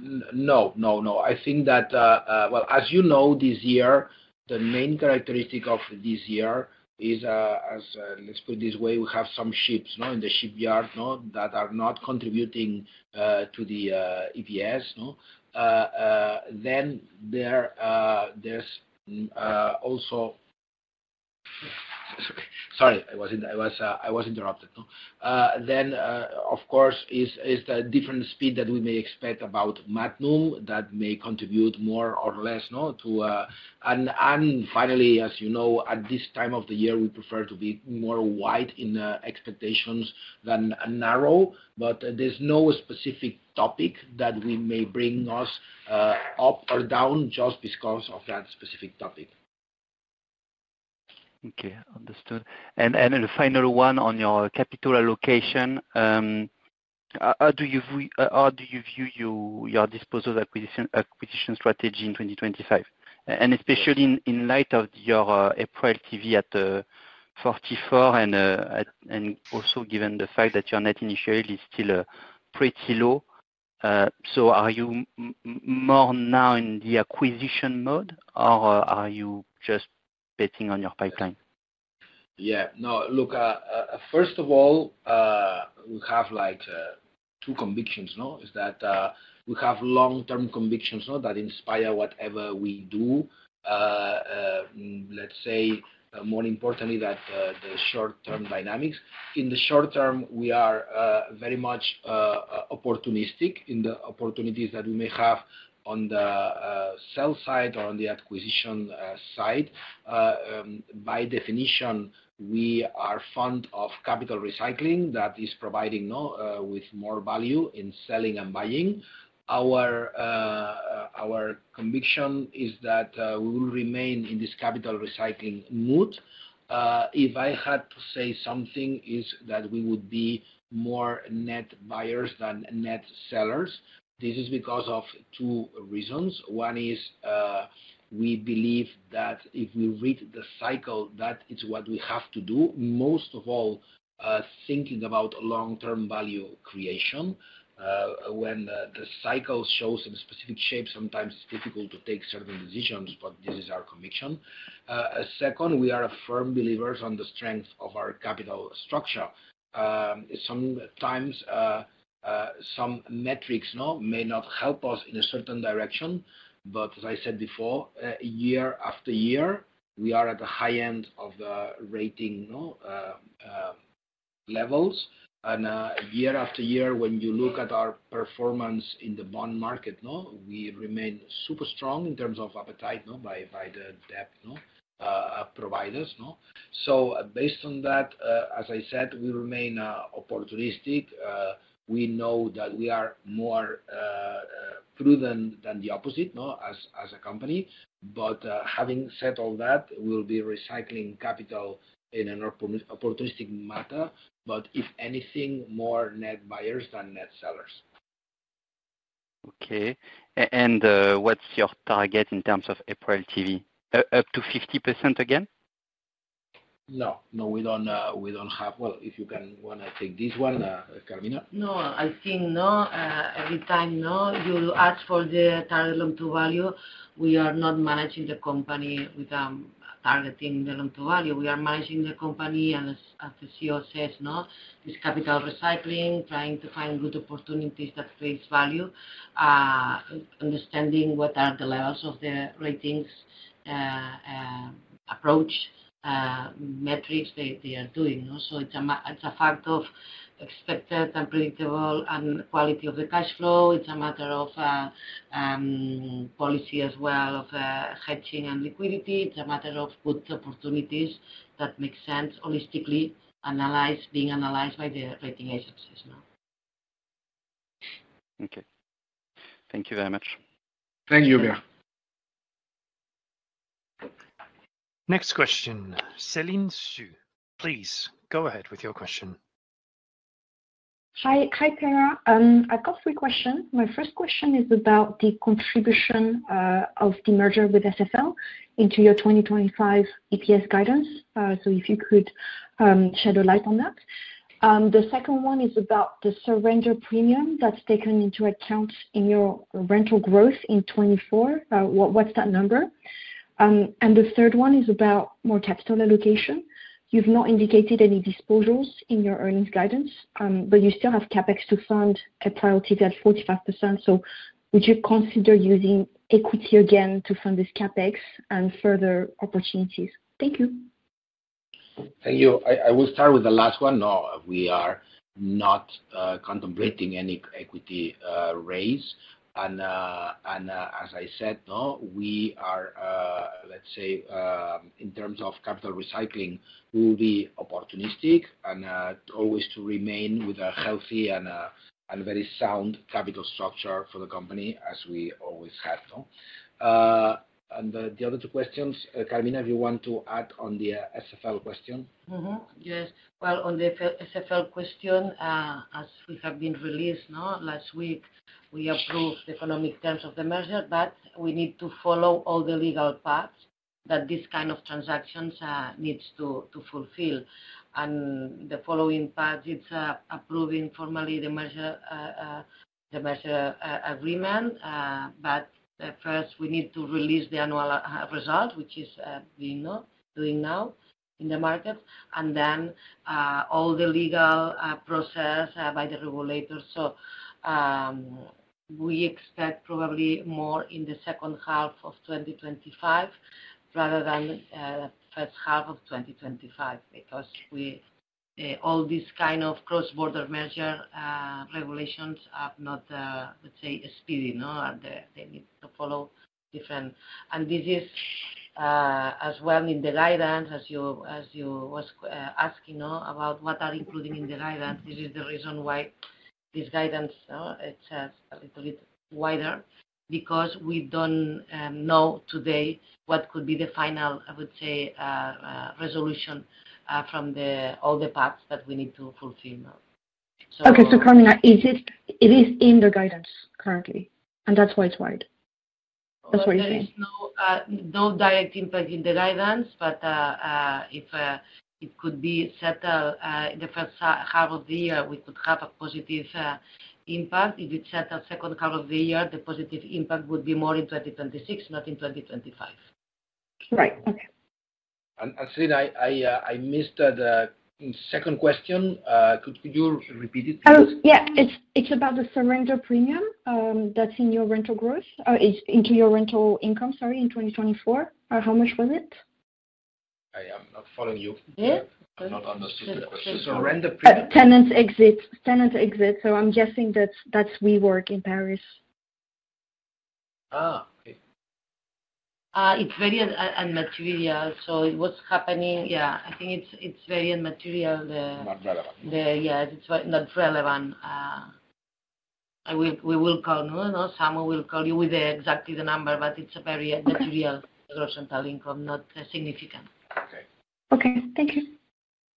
No, no, no. I think that, well, as you know, this year, the main characteristic of this year is, let's put it this way, we have some ships in the shipyard that are not contributing to the EPS. Then there's also, sorry, I was interrupted. Then, of course, is the different speed that we may expect about Madnum that may contribute more or less to—and finally, as you know, at this time of the year, we prefer to be more wide in expectations than narrow. But there's no specific topic that we may bring us up or down just because of that specific topic. Okay, understood. And the final one on your capital allocation, how do you view your disposal acquisition strategy in 2025? And especially in light of your LTV at 44% and also given the fact that your net LTV is still pretty low. So are you more now in the acquisition mode, or are you just betting on your pipeline? Yeah. No, look, first of all, we have two convictions. Is that we have long-term convictions that inspire whatever we do, let's say, more importantly, that the short-term dynamics. In the short term, we are very much opportunistic in the opportunities that we may have on the sell side or on the acquisition side. By definition, we are fond of capital recycling that is providing with more value in selling and buying. Our conviction is that we will remain in this capital recycling mood. If I had to say something, it's that we would be more net buyers than net sellers. This is because of two reasons. One is we believe that if we read the cycle, that is what we have to do. Most of all, thinking about long-term value creation. When the cycle shows some specific shape, sometimes it's difficult to take certain decisions, but this is our conviction. Second, we are firm believers in the strength of our capital structure. Sometimes some metrics may not help us in a certain direction, but as I said before, year after year, we are at the high end of the rating levels, and year after year, when you look at our performance in the bond market, we remain super strong in terms of appetite by the debt providers, so based on that, as I said, we remain opportunistic. We know that we are more prudent than the opposite as a company, but having said all that, we'll be recycling capital in an opportunistic manner, but if anything, more net buyers than net sellers. Okay. And what's your target in terms of LTV? Up to 50% again? No. No, we don't have. Well, if you want to take this one, Carmina. No, I think no. Every time you ask for the target Loan-to-Value, we are not managing the company with targeting the Loan-to-Value. We are managing the company, as the CEO says, this capital recycling, trying to find good opportunities that create value, understanding what are the levels of the ratings, approach, metrics they are doing. So it's a fact of expected and predictable and quality of the cash flow. It's a matter of policy as well of hedging and liquidity. It's a matter of good opportunities that make sense holistically being analyzed by the rating agencies. Okay. Thank you very much. Thank you, Pierre. Next question. Céline Soo-Huynh, please go ahead with your question. Hi, Pere. I've got three questions. My first question is about the contribution of the merger with SFL into your 2025 EPS guidance. So if you could shed a light on that. The second one is about the surrender premium that's taken into account in your rental growth in 2024. What's that number? And the third one is about more capital allocation. You've not indicated any disposals in your earnings guidance, but you still have CapEx to fund at priority at 45%. So would you consider using equity again to fund this CapEx and further opportunities? Thank you. Thank you. I will start with the last one. No, we are not contemplating any equity raise. And as I said, we are, let's say, in terms of capital recycling, we will be opportunistic and always to remain with a healthy and very sound capital structure for the company as we always have. And the other two questions, Carmina, if you want to add on the SFL question. Yes. On the SFL question, as we released last week, we approved the economic terms of the merger, but we need to follow all the legal paths that this kind of transaction needs to fulfill. The following part is approving formally the merger agreement, but first, we need to release the annual results, which is being done now in the market, and then all the legal process by the regulator. We expect probably more in the second half of 2025 rather than the first half of 2025 because all these kind of cross-border merger regulations are not, let's say, speedy. They need to follow different. This is as well in the guidance, as you were asking about what are included in the guidance. This is the reason why this guidance, it's a little bit wider because we don't know today what could be the final, I would say, resolution from all the paths that we need to fulfill. Okay. So, Carmina, it is in the guidance currently, and that's why it's wide. That's what you're saying. There is no direct impact in the guidance, but if it could be set in the first half of the year, we could have a positive impact. If it's set the second half of the year, the positive impact would be more in 2026, not in 2025. Right. Okay. And Céline, I missed the second question. Could you repeat it, please? Yeah. It's about the surrender premium that's in your rental growth into your rental income, sorry, in 2024. How much was it? I am not following you. I'm not understanding the question. So rental premium. Tenants exit. So I'm guessing that's WeWork in Paris. Ah. Okay. It's very immaterial. So what's happening? Yeah. I think it's very immaterial. Not relevant. Yeah. It's not relevant. We will call. Someone will call you with exactly the number, but it's a very immaterial gross rental income, not significant. Okay. Thank you.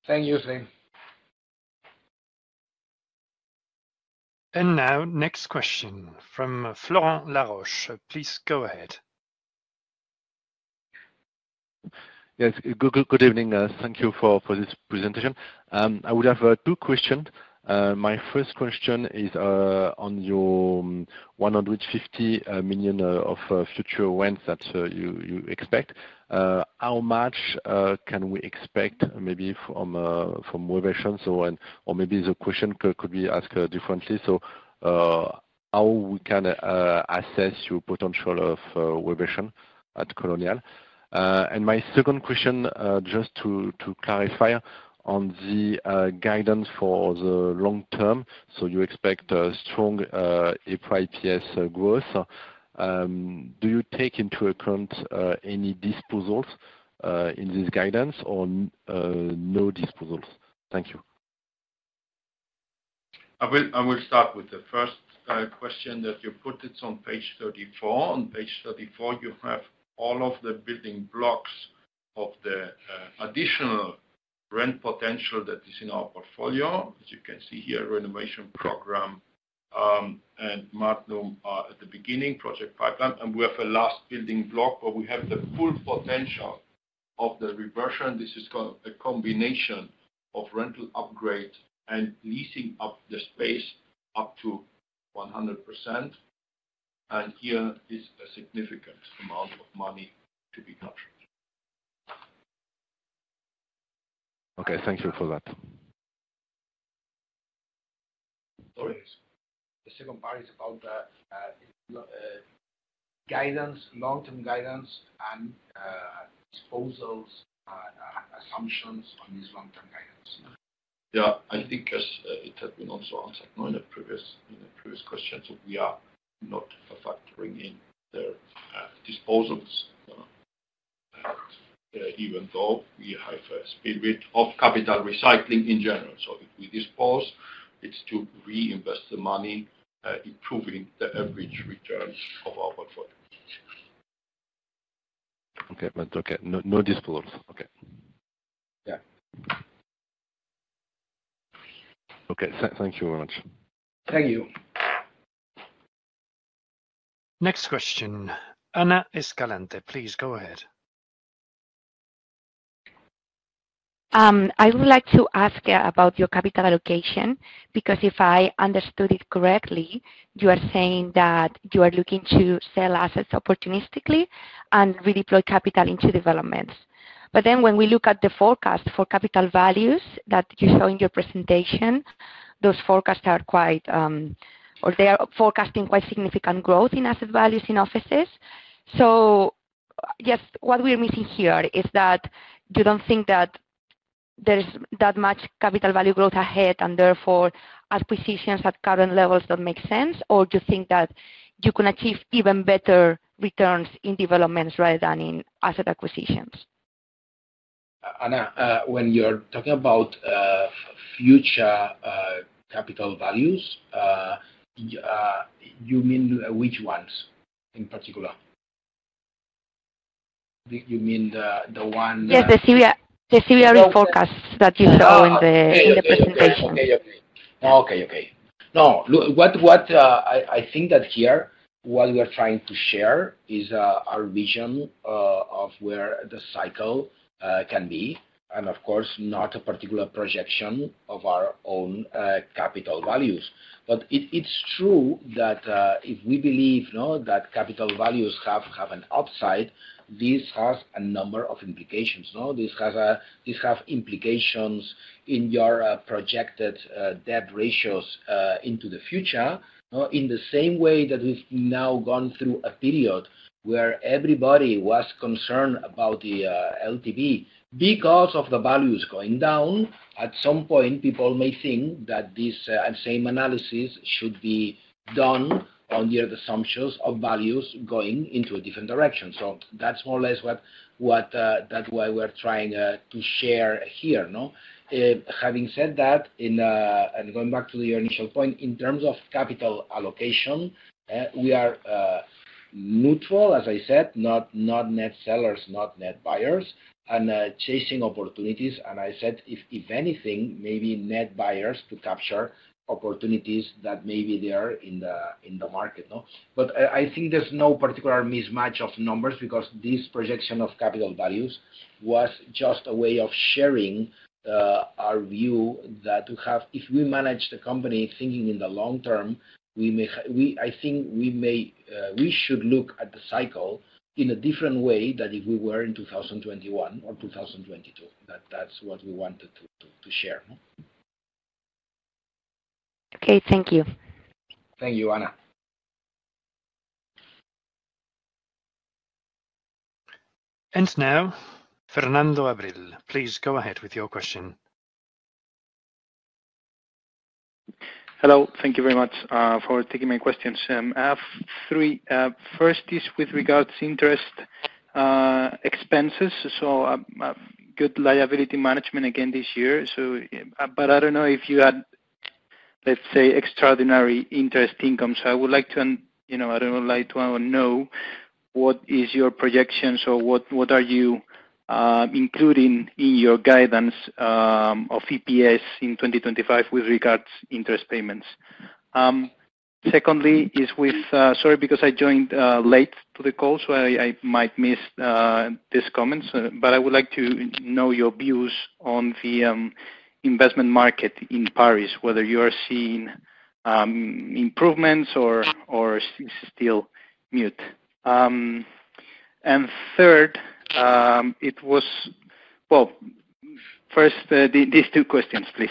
Thank you, Céline. And now, next question from Florent Laroche. Please go ahead. Yes. Good evening. Thank you for this presentation. I would have two questions. My first question is on your 150 million of future rents that you expect. How much can we expect maybe from revision? Or maybe the question could be asked differently. So how we can assess your potential of revision at Colonial? And my second question, just to clarify on the guidance for the long term. So you expect strong EPS growth. Do you take into account any disposals in this guidance or no disposals? Thank you. I will start with the first question that you put. It's on page 34. On page 34, you have all of the building blocks of the additional rent potential that is in our portfolio, as you can see here, renovation program, and Madnum at the beginning, Project Pipeline. And we have a last building block where we have the full potential of the reversion. This is a combination of rental upgrade and leasing up the space up to 100%. And here is a significant amount of money to be captured. Okay. Thank you for that. Sorry. The second part is about guidance, long-term guidance, and disposals and assumptions on this long-term guidance. Yeah. I think it has been also answered in the previous question. So we are not factoring in their disposals, even though we have a speed rate of capital recycling in general. So if we dispose, it's to reinvest the money, improving the average return of our portfolio. Okay. But okay, no disposals. Okay. Yeah. Okay. Thank you very much. Thank you. Next question. Ana Escalante, please go ahead. I would like to ask about your capital allocation because if I understood it correctly, you are saying that you are looking to sell assets opportunistically and redeploy capital into developments. But then when we look at the forecast for capital values that you show in your presentation, those forecasts are quite or they are forecasting quite significant growth in asset values in offices. So yes, what we're missing here is that you don't think that there's that much capital value growth ahead and therefore acquisitions at current levels don't make sense, or do you think that you can achieve even better returns in developments rather than in asset acquisitions? Ana, when you're talking about future capital values, you mean which ones in particular? You mean the one? Yes, the CBRE forecast that you saw in the presentation. Okay. Okay. Okay. No, I think that here, what we are trying to share is our vision of where the cycle can be. And of course, not a particular projection of our own capital values. But it's true that if we believe that capital values have an upside, this has a number of implications. This has implications in your projected debt ratios into the future. In the same way that we've now gone through a period where everybody was concerned about the LTV because of the values going down, at some point, people may think that this same analysis should be done on the assumptions of values going into a different direction. So that's more or less what that is. That's why we're trying to share here. Having said that, and going back to your initial point, in terms of capital allocation, we are neutral, as I said, not net sellers, not net buyers, and chasing opportunities. And I said, if anything, maybe net buyers to capture opportunities that may be there in the market. But I think there's no particular mismatch of numbers because this projection of capital values was just a way of sharing our view that if we manage the company thinking in the long term, I think we should look at the cycle in a different way than if we were in 2021 or 2022. That's what we wanted to share. Okay. Thank you. Thank you, Ana. And now, Fernando Abril, please go ahead with your question. Hello. Thank you very much for taking my questions. First is with regards to interest expenses. So good liability management again this year. But I don't know if you had, let's say, extraordinary interest income. So I would like to know what is your projection. So what are you including in your guidance of EPS in 2025 with regards to interest payments? Secondly, sorry, because I joined late to the call, so I might miss this comment. But I would like to know your views on the investment market in Paris, whether you are seeing improvements or still mute. And third, it was well, first, these two questions, please.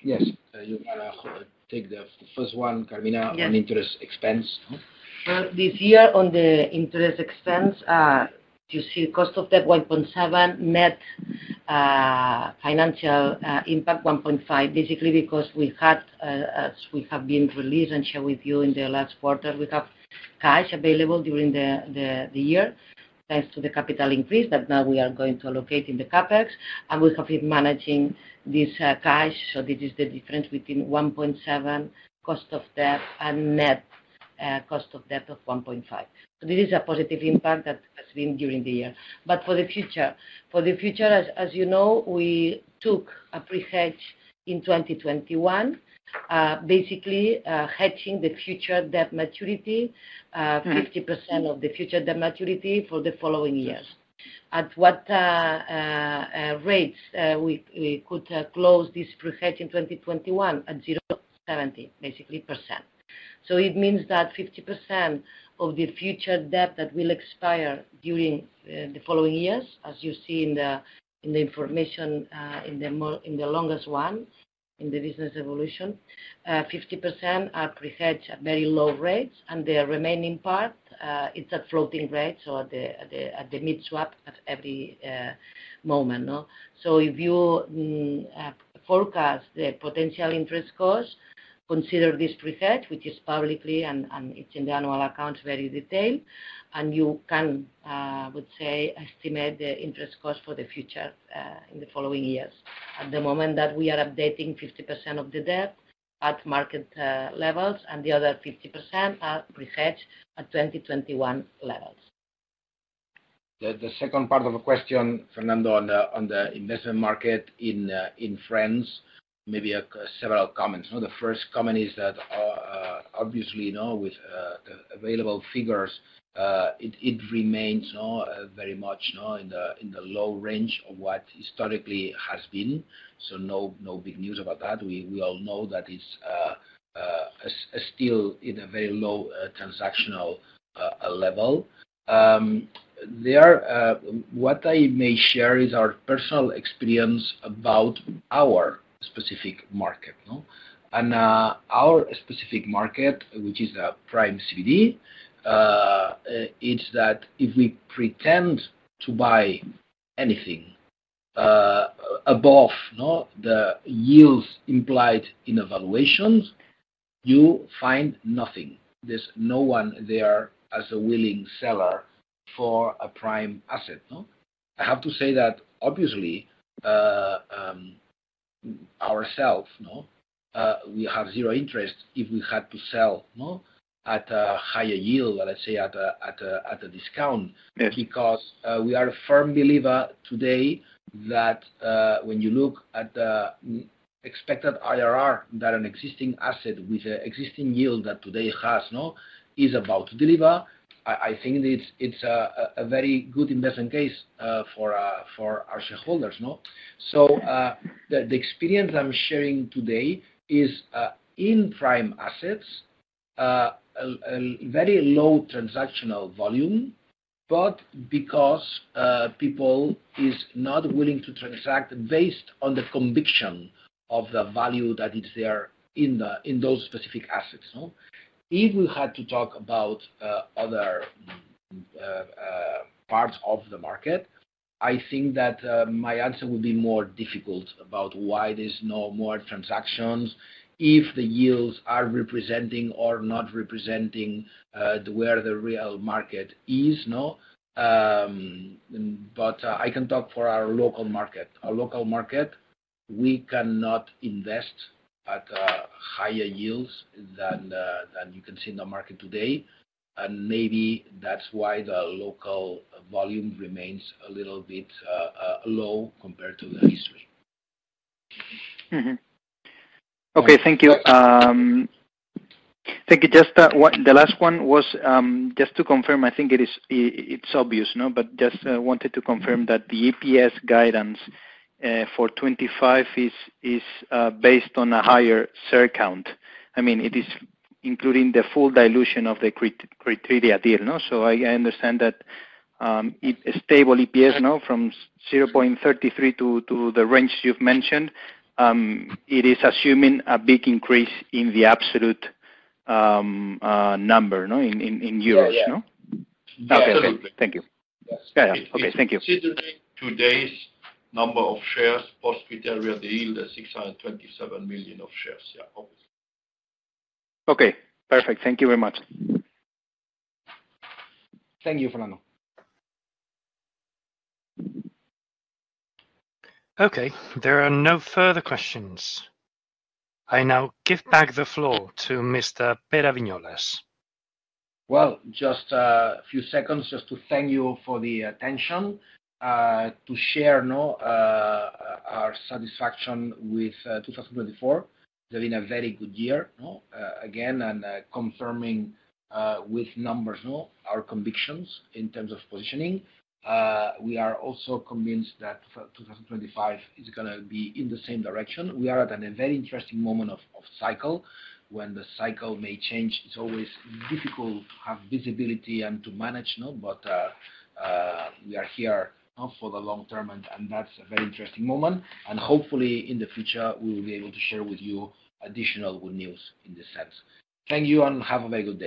Yes. You can take the first one, Carmina, on interest expense. This year, on the interest expense, you see cost of debt 1.7%, net financial impact 1.5%, basically because we have released and shared with you in the last quarter. We have cash available during the year thanks to the capital increase that now we are going to allocate in the CapEx. And we have been managing this cash. So this is the difference between 1.7%cost of debt and net cost of debt of 1.5%. So this is a positive impact that has been during the year. But for the future, as you know, we took a pre-hedge in 2021, basically hedging the future debt maturity, 50% of the future debt maturity for the following years. At what rates we could close this pre-hedge in 2021 at 0.70%, basically. So it means that 50% of the future debt that will expire during the following years, as you see in the information in the longest one in the business evolution, 50% are pre-hedged at very low rates. And the remaining part, it's at floating rates or at the mid-swap at every moment. So if you forecast the potential interest cost, consider this pre-hedge, which is publicly and it's in the annual accounts very detailed. And you can, I would say, estimate the interest cost for the future in the following years. At the moment that we are updating 50% of the debt at market levels and the other 50% are pre-hedged at 2021 levels. The second part of the question, Fernando, on the investment market in France, maybe several comments. The first comment is that, obviously, with the available figures, it remains very much in the low range of what historically has been. So no big news about that. We all know that it's still in a very low transactional level. What I may share is our personal experience about our specific market. And our specific market, which is a prime CBD, is that if we pretend to buy anything above the yields implied in valuations, you find nothing. There's no one there as a willing seller for a prime asset. I have to say that, obviously, ourselves, we have zero interest if we had to sell at a higher yield, let's say at a discount, because we are a firm believer today that when you look at the expected IRR that an existing asset with an existing yield that today has is about to deliver, I think it's a very good investment case for our shareholders. The experience I'm sharing today is in prime assets, very low transactional volume, but because people are not willing to transact based on the conviction of the value that is there in those specific assets. If we had to talk about other parts of the market, I think that my answer would be more difficult about why there's no more transactions if the yields are representing or not representing where the real market is. I can talk for our local market. Our local market, we cannot invest at higher yields than you can see in the market today, and maybe that's why the local volume remains a little bit low compared to the history. Okay. Thank you. Thank you. Just the last one was just to confirm. I think it's obvious, but just wanted to confirm that the EPS guidance for 2025 is based on a higher share count. I mean, it is including the full dilution of the Criteria deal. So I understand that stable EPS from 0.33 to the range you've mentioned, it is assuming a big increase in the absolute number in euros. Yeah. Absolutely. Thank you. Okay. Thank you. Today's number of shares post-Criteria deal is 627 million of shares. Yeah. Okay. Perfect. Thank you very much. Thank you, Fernando. Okay. There are no further questions. I now give back the floor to Mr. Pere Viñolas. Just a few seconds to thank you for the attention, to share our satisfaction with 2024. It's been a very good year, again, and confirming with numbers our convictions in terms of positioning. We are also convinced that 2025 is going to be in the same direction. We are at a very interesting moment of cycle. When the cycle may change, it's always difficult to have visibility and to manage. But we are here for the long term, and that's a very interesting moment. Hopefully, in the future, we will be able to share with you additional good news in this sense. Thank you and have a very good day.